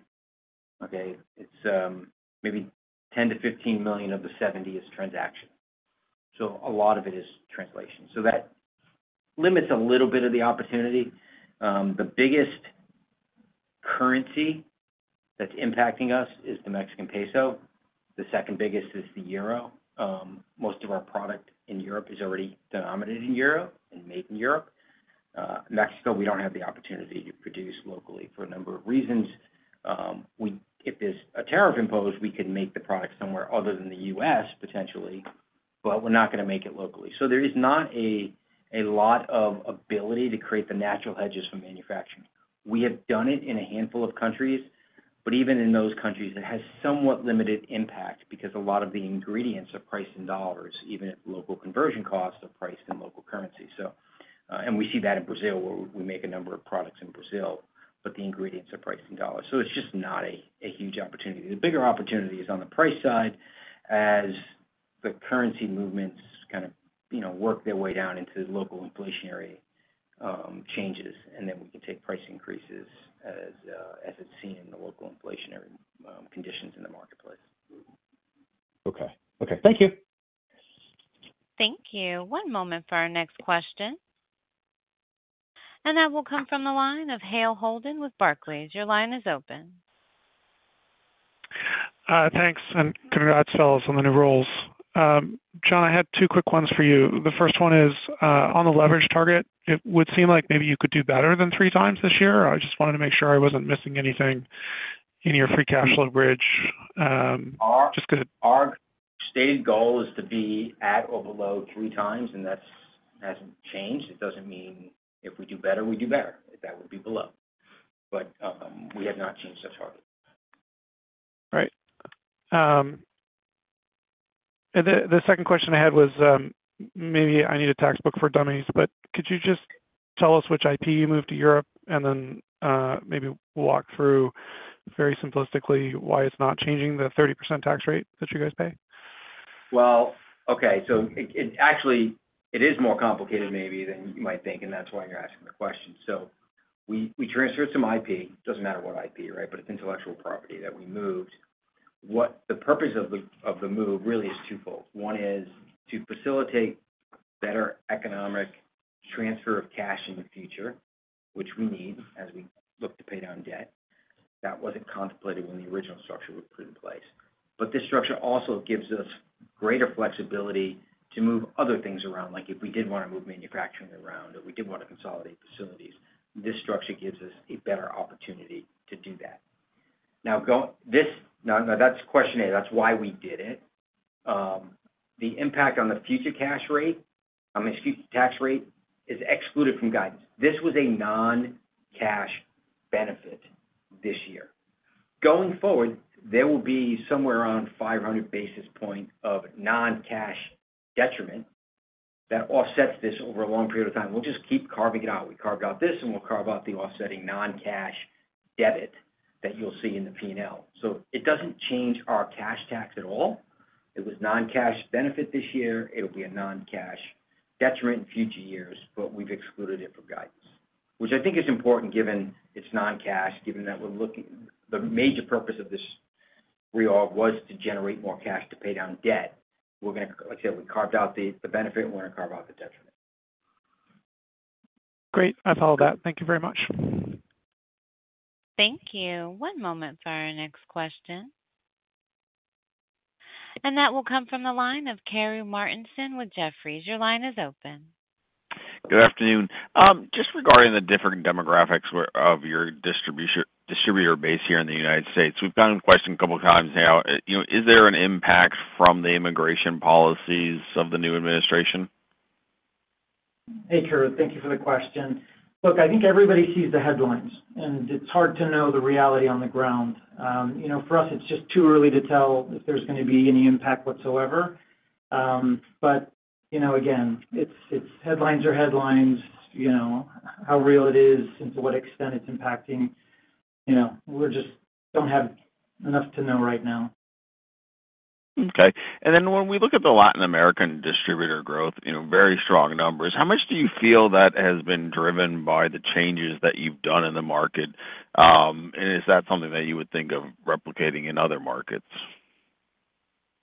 okay? It's maybe $10 million-$15 million of the $70 million is transaction. So a lot of it is translation. So that limits a little bit of the opportunity. The biggest currency that's impacting us is the Mexican peso. The second biggest is the euro. Most of our product in Europe is already denominated in euro and made in Europe. Mexico, we don't have the opportunity to produce locally for a number of reasons. If there's a tariff imposed, we could make the product somewhere other than the U.S., potentially, but we're not going to make it locally. So there is not a lot of ability to create the natural hedges for manufacturing. We have done it in a handful of countries, but even in those countries, it has somewhat limited impact because a lot of the ingredients are priced in dollars, even if local conversion costs are priced in local currency, and we see that in Brazil where we make a number of products in Brazil, but the ingredients are priced in dollars, so it's just not a huge opportunity. The bigger opportunity is on the price side as the currency movements kind of work their way down into local inflationary changes, and then we can take price increases as it's seen in the local inflationary conditions in the marketplace. Okay. Okay. Thank you. Thank you. One moment for our next question. And that will come from the line of Hale Holden with Barclays. Your line is open. Thanks. And congrats, fellas, on the new roles. John, I had two quick ones for you. The first one is on the leverage target. It would seem like maybe you could do better than 3x this year. I just wanted to make sure I wasn't missing anything in your free cash flow bridge. Just because our stated goal is to be at or below 3x, and that hasn't changed. It doesn't mean if we do better, we do better, that that would be below. But we have not changed our target. Right. The second question I had was maybe I need a textbook for Dummies, but could you just tell us which IP you moved to Europe and then maybe walk through very simplistically why it's not changing the 30% tax rate that you guys pay? Well, okay. So actually, it is more complicated maybe than you might think, and that's why you're asking the question. So we transferred some IP. It doesn't matter what IP, right? But it's intellectual property that we moved. The purpose of the move really is twofold. One is to facilitate better economic transfer of cash in the future, which we need as we look to pay down debt. That wasn't contemplated when the original structure was put in place. But this structure also gives us greater flexibility to move other things around. Like if we did want to move manufacturing around or we did want to consolidate facilities, this structure gives us a better opportunity to do that. Now, that's the question A. That's why we did it. The impact on the future tax rate is excluded from guidance. This was a non-cash benefit this year. Going forward, there will be somewhere around 500 basis points of non-cash detriment that offsets this over a long period of time. We'll just keep carving it out. We carved out this, and we'll carve out the offsetting non-cash debit that you'll see in the P&L. So it doesn't change our cash tax at all. It was non-cash benefit this year. It'll be a non-cash detriment in future years, but we've excluded it from guidance, which I think is important given it's non-cash, given that the major purpose of this reorg was to generate more cash to pay down debt. We're going to, like I said, we carved out the benefit. We're going to carve out the detriment. Great. I follow that. Thank you very much. Thank you. One moment for our next question. That will come from the line of Karru Martinson with Jefferies. Your line is open. Good afternoon. Just regarding the different demographics of your distributor base here in the United States, we've gotten questions a couple of times now. Is there an impact from the immigration policies of the new administration? Hey, Karru. Thank you for the question. Look, I think everybody sees the headlines, and it's hard to know the reality on the ground. For us, it's just too early to tell if there's going to be any impact whatsoever. But again, it's headlines are headlines, how real it is, and to what extent it's impacting. We just don't have enough to know right now. Okay. And then when we look at the Latin American distributor growth, very strong numbers, how much do you feel that has been driven by the changes that you've done in the market? And is that something that you would think of replicating in other markets?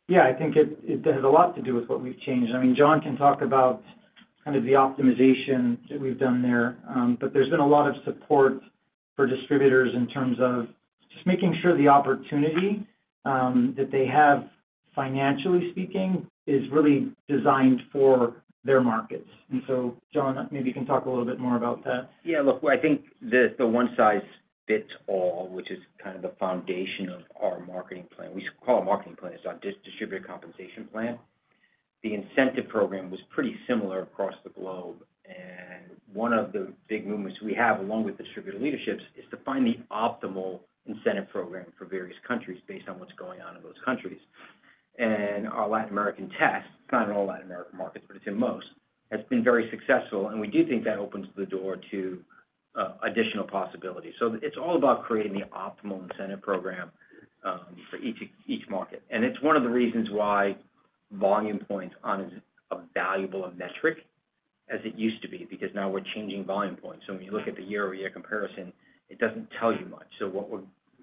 Yeah. I think it has a lot to do with what we've changed. I mean, John can talk about kind of the optimization that we've done there, but there's been a lot of support for distributors in terms of just making sure the opportunity that they have, financially speaking, is really designed for their markets. John, maybe you can talk a little bit more about that. Yeah. Look, I think the one-size-fits-all, which is kind of the foundation of our marketing plan. We call it a marketing plan. It's our distributor compensation plan. The incentive program was pretty similar across the globe. One of the big movements we have, along with distributor leaderships, is to find the optimal incentive program for various countries based on what's going on in those countries. Our Latin American test, it's not in all Latin American markets, but it's in most, has been very successful. We do think that opens the door to additional possibilities. It's all about creating the optimal incentive program for each market. It's one of the reasons why volume points aren't as valuable a metric as it used to be because now we're changing volume points. So when you look at the year-over-year comparison, it doesn't tell you much. So what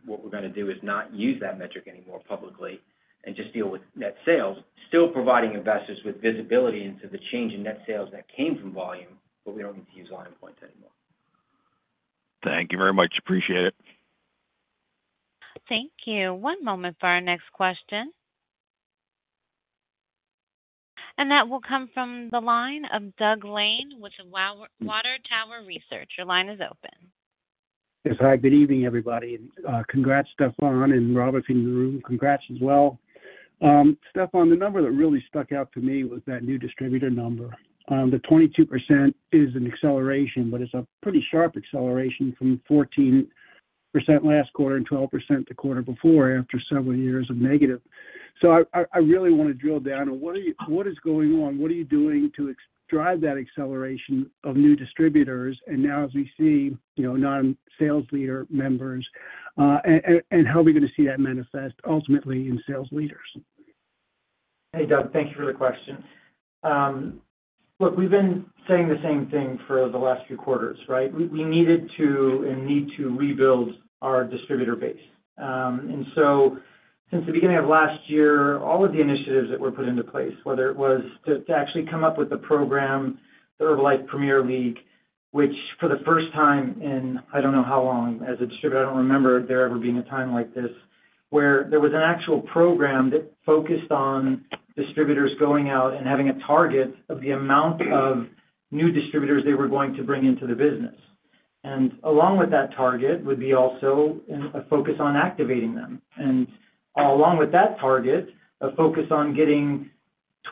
we're going to do is not use that metric anymore publicly and just deal with net sales, still providing investors with visibility into the change in net sales that came from volume, but we don't need to use volume points anymore. Thank you very much. Appreciate it. Thank you. One moment for our next question. And that will come from the line of Doug Lane with Water Tower Research. Your line is open. Yes. Hi. Good evening, everybody. And congrats, Stephan and Robert in the room. Congrats as well. Stephan, the number that really stuck out to me was that new distributor number. The 22% is an acceleration, but it's a pretty sharp acceleration from 14% last quarter and 12% the quarter before after several years of negative. So I really want to drill down on what is going on. What are you doing to drive that acceleration of new distributors and now, as we see, non-sales leader members, and how are we going to see that manifest ultimately in sales leaders? Hey, Doug. Thank you for the question. Look, we've been saying the same thing for the last few quarters, right? We needed to and need to rebuild our distributor base. And so since the beginning of last year, all of the initiatives that were put into place, whether it was to actually come up with the program, the Herbalife Premier League, which for the first time in I don't know how long as a distributor, I don't remember there ever being a time like this, where there was an actual program that focused on distributors going out and having a target of the amount of new distributors they were going to bring into the business. And along with that target would be also a focus on activating them. And along with that target, a focus on getting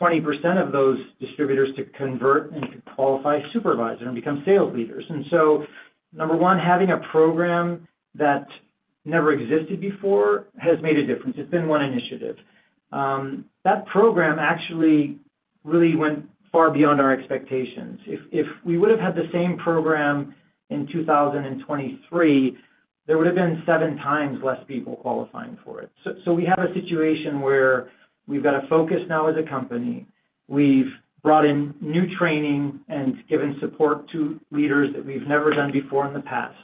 20% of those distributors to convert and to qualify as supervisors and become sales leaders. And so number one, having a program that never existed before has made a difference. It's been one initiative. That program actually really went far beyond our expectations. If we would have had the same program in 2023, there would have been 7x less people qualifying for it. So we have a situation where we've got a focus now as a company. We've brought in new training and given support to leaders that we've never done before in the past.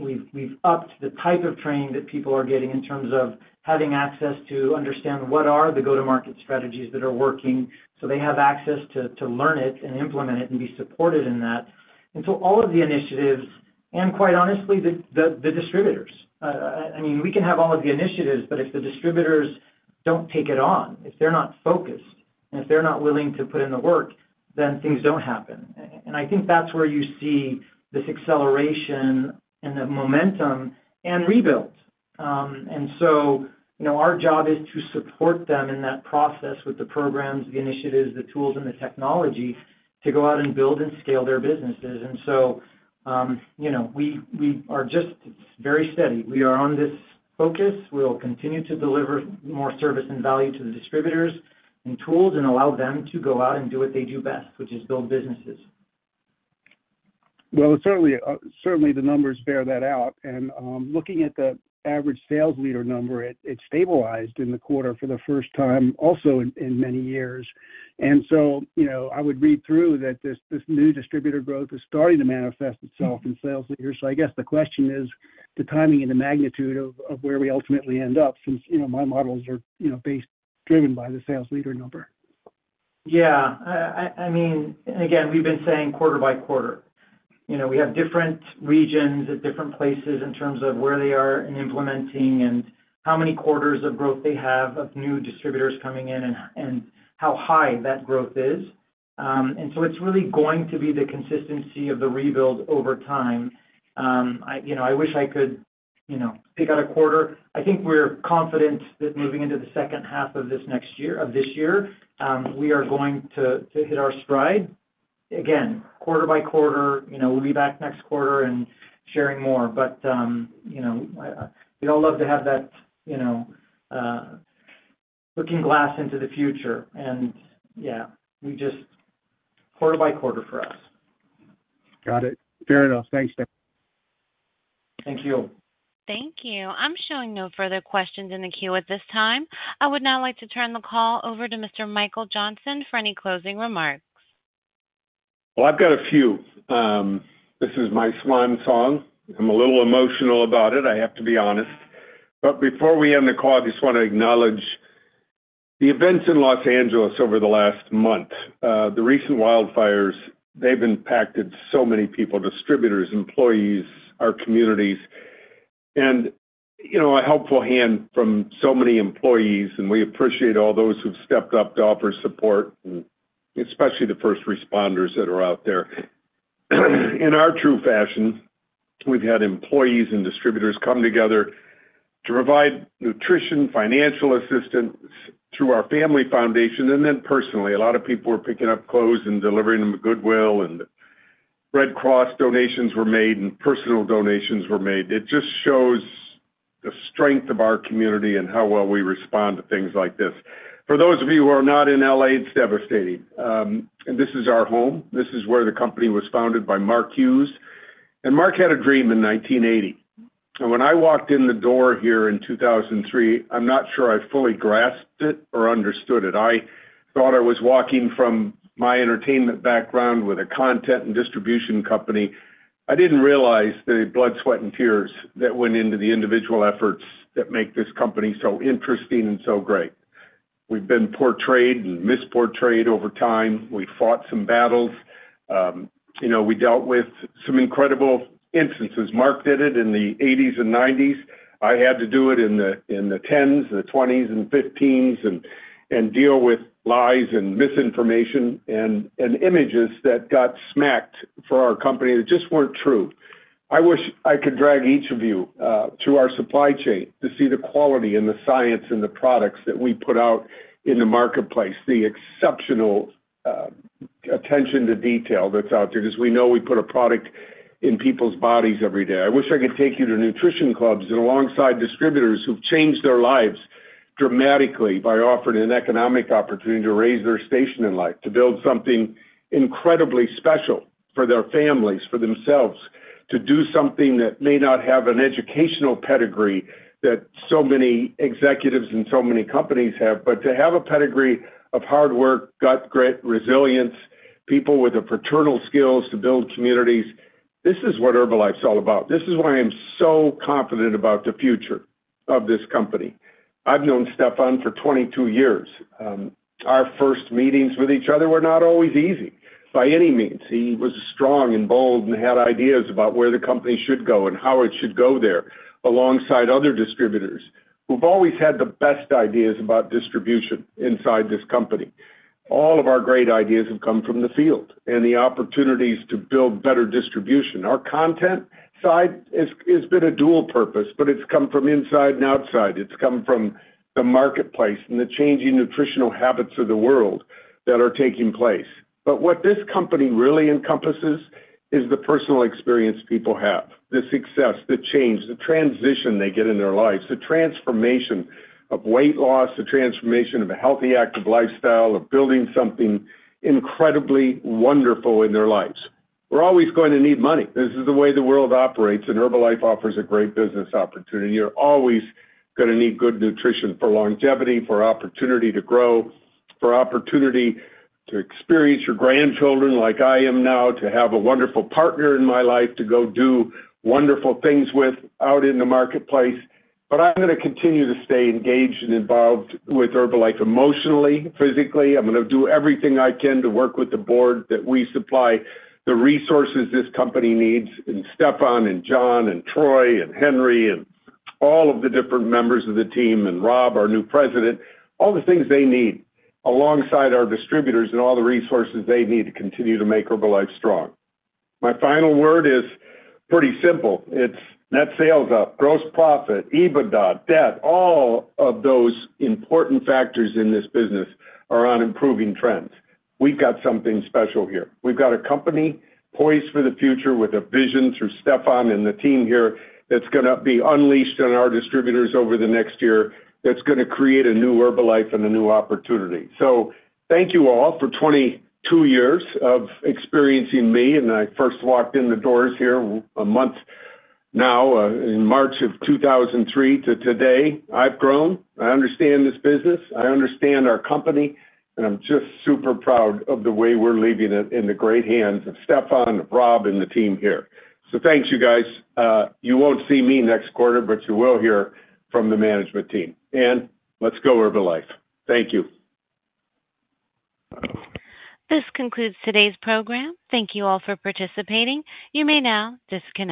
We've upped the type of training that people are getting in terms of having access to understand what are the go-to-market strategies that are working so they have access to learn it and implement it and be supported in that. And so all of the initiatives and, quite honestly, the distributors. I mean, we can have all of the initiatives, but if the distributors don't take it on, if they're not focused, and if they're not willing to put in the work, then things don't happen. And I think that's where you see this acceleration and the momentum and rebuild. And so our job is to support them in that process with the programs, the initiatives, the tools, and the technology to go out and build and scale their businesses. And so we are just very steady. We are on this focus. We'll continue to deliver more service and value to the distributors and tools and allow them to go out and do what they do best, which is build businesses. Well, certainly, the numbers bear that out. And looking at the average sales leader number, it stabilized in the quarter for the first time also in many years. And so I would read through that this new distributor growth is starting to manifest itself in sales leaders. I guess the question is the timing and the magnitude of where we ultimately end up since my models are based driven by the sales leader number. Yeah. I mean, again, we've been saying quarter by quarter. We have different regions at different places in terms of where they are in implementing and how many quarters of growth they have of new distributors coming in and how high that growth is. And so it's really going to be the consistency of the rebuild over time. I wish I could pick out a quarter. I think we're confident that moving into the second half of this year we are going to hit our stride. Again, quarter by quarter, we'll be back next quarter and sharing more. But we all love to have that looking glass into the future. And yeah, quarter by quarter for us. Got it. Fair enough. Thanks, Stephan. Thank you. Thank you. I'm showing no further questions in the queue at this time. I would now like to turn the call over to Mr. Michael Johnson for any closing remarks. Well, I've got a few. This is my swan song. I'm a little emotional about it, I have to be honest. But before we end the call, I just want to acknowledge the events in Los Angeles over the last month. The recent wildfires, they've impacted so many people, distributors, employees, our communities, and a helpful hand from so many employees. And we appreciate all those who've stepped up to offer support, especially the first responders that are out there. In our true fashion, we've had employees and distributors come together to provide nutrition, financial assistance through our family foundation, and then personally. A lot of people were picking up clothes and delivering them at Goodwill, and Red Cross donations were made, and personal donations were made. It just shows the strength of our community and how well we respond to things like this. For those of you who are not in L.A., it's devastating, and this is our home. This is where the company was founded by Mark Hughes, and Mark had a dream in 1980, and when I walked in the door here in 2003, I'm not sure I fully grasped it or understood it. I thought I was walking from my entertainment background with a content and distribution company. I didn't realize the blood, sweat, and tears that went into the individual efforts that make this company so interesting and so great. We've been portrayed and mis-portrayed over time. We fought some battles. We dealt with some incredible instances. Mark did it in the 1980s and 1990s. I had to do it in the 2010s, the 2020s, and 2015s and deal with lies and misinformation and images that got smacked for our company that just weren't true. I wish I could drag each of you to our supply chain to see the quality and the science and the products that we put out in the marketplace, the exceptional attention to detail that's out there. Because we know we put a product in people's bodies every day. I wish I could take you to Nutrition Clubs and alongside distributors who've changed their lives dramatically by offering an economic opportunity to raise their station in life, to build something incredibly special for their families, for themselves, to do something that may not have an educational pedigree that so many executives and so many companies have, but to have a pedigree of hard work, gut grit, resilience, people with paternal skills to build communities. This is what Herbalife's all about. This is why I'm so confident about the future of this company. I've known Stephan for 22 years. Our first meetings with each other were not always easy, by any means. He was strong and bold and had ideas about where the company should go and how it should go there alongside other distributors who've always had the best ideas about distribution inside this company. All of our great ideas have come from the field and the opportunities to build better distribution. Our content side has been a dual purpose, but it's come from inside and outside. It's come from the marketplace and the changing nutritional habits of the world that are taking place. But what this company really encompasses is the personal experience people have, the success, the change, the transition they get in their lives, the transformation of weight loss, the transformation of a healthy, active lifestyle, of building something incredibly wonderful in their lives. We're always going to need money. This is the way the world operates, and Herbalife offers a great business opportunity. You're always going to need good nutrition for longevity, for opportunity to grow, for opportunity to experience your grandchildren like I am now, to have a wonderful partner in my life, to go do wonderful things without in the marketplace. But I'm going to continue to stay engaged and involved with Herbalife emotionally, physically. I'm going to do everything I can to work with the Board that we supply the resources this company needs and Stephan and John and Troy and Henry and all of the different members of the team and Rob, our new President, all the things they need alongside our distributors and all the resources they need to continue to make Herbalife strong. My final word is pretty simple. It's net sales up, gross profit, EBITDA, debt, all of those important factors in this business are on improving trends. We've got something special here. We've got a company poised for the future with a vision through Stephan and the team here that's going to be unleashed on our distributors over the next year that's going to create a new Herbalife and a new opportunity. So thank you all for 22 years of experiencing me. And I first walked in the doors here a month now, in March of 2003 to today. I've grown. I understand this business. I understand our company. And I'm just super proud of the way we're leaving it in the great hands of Stephan, of Rob, and the team here. So thanks, you guys. You won't see me next quarter, but you will hear from the management team. And let's go Herbalife. Thank you. This concludes today's program. Thank you all for participating. You may now disconnect.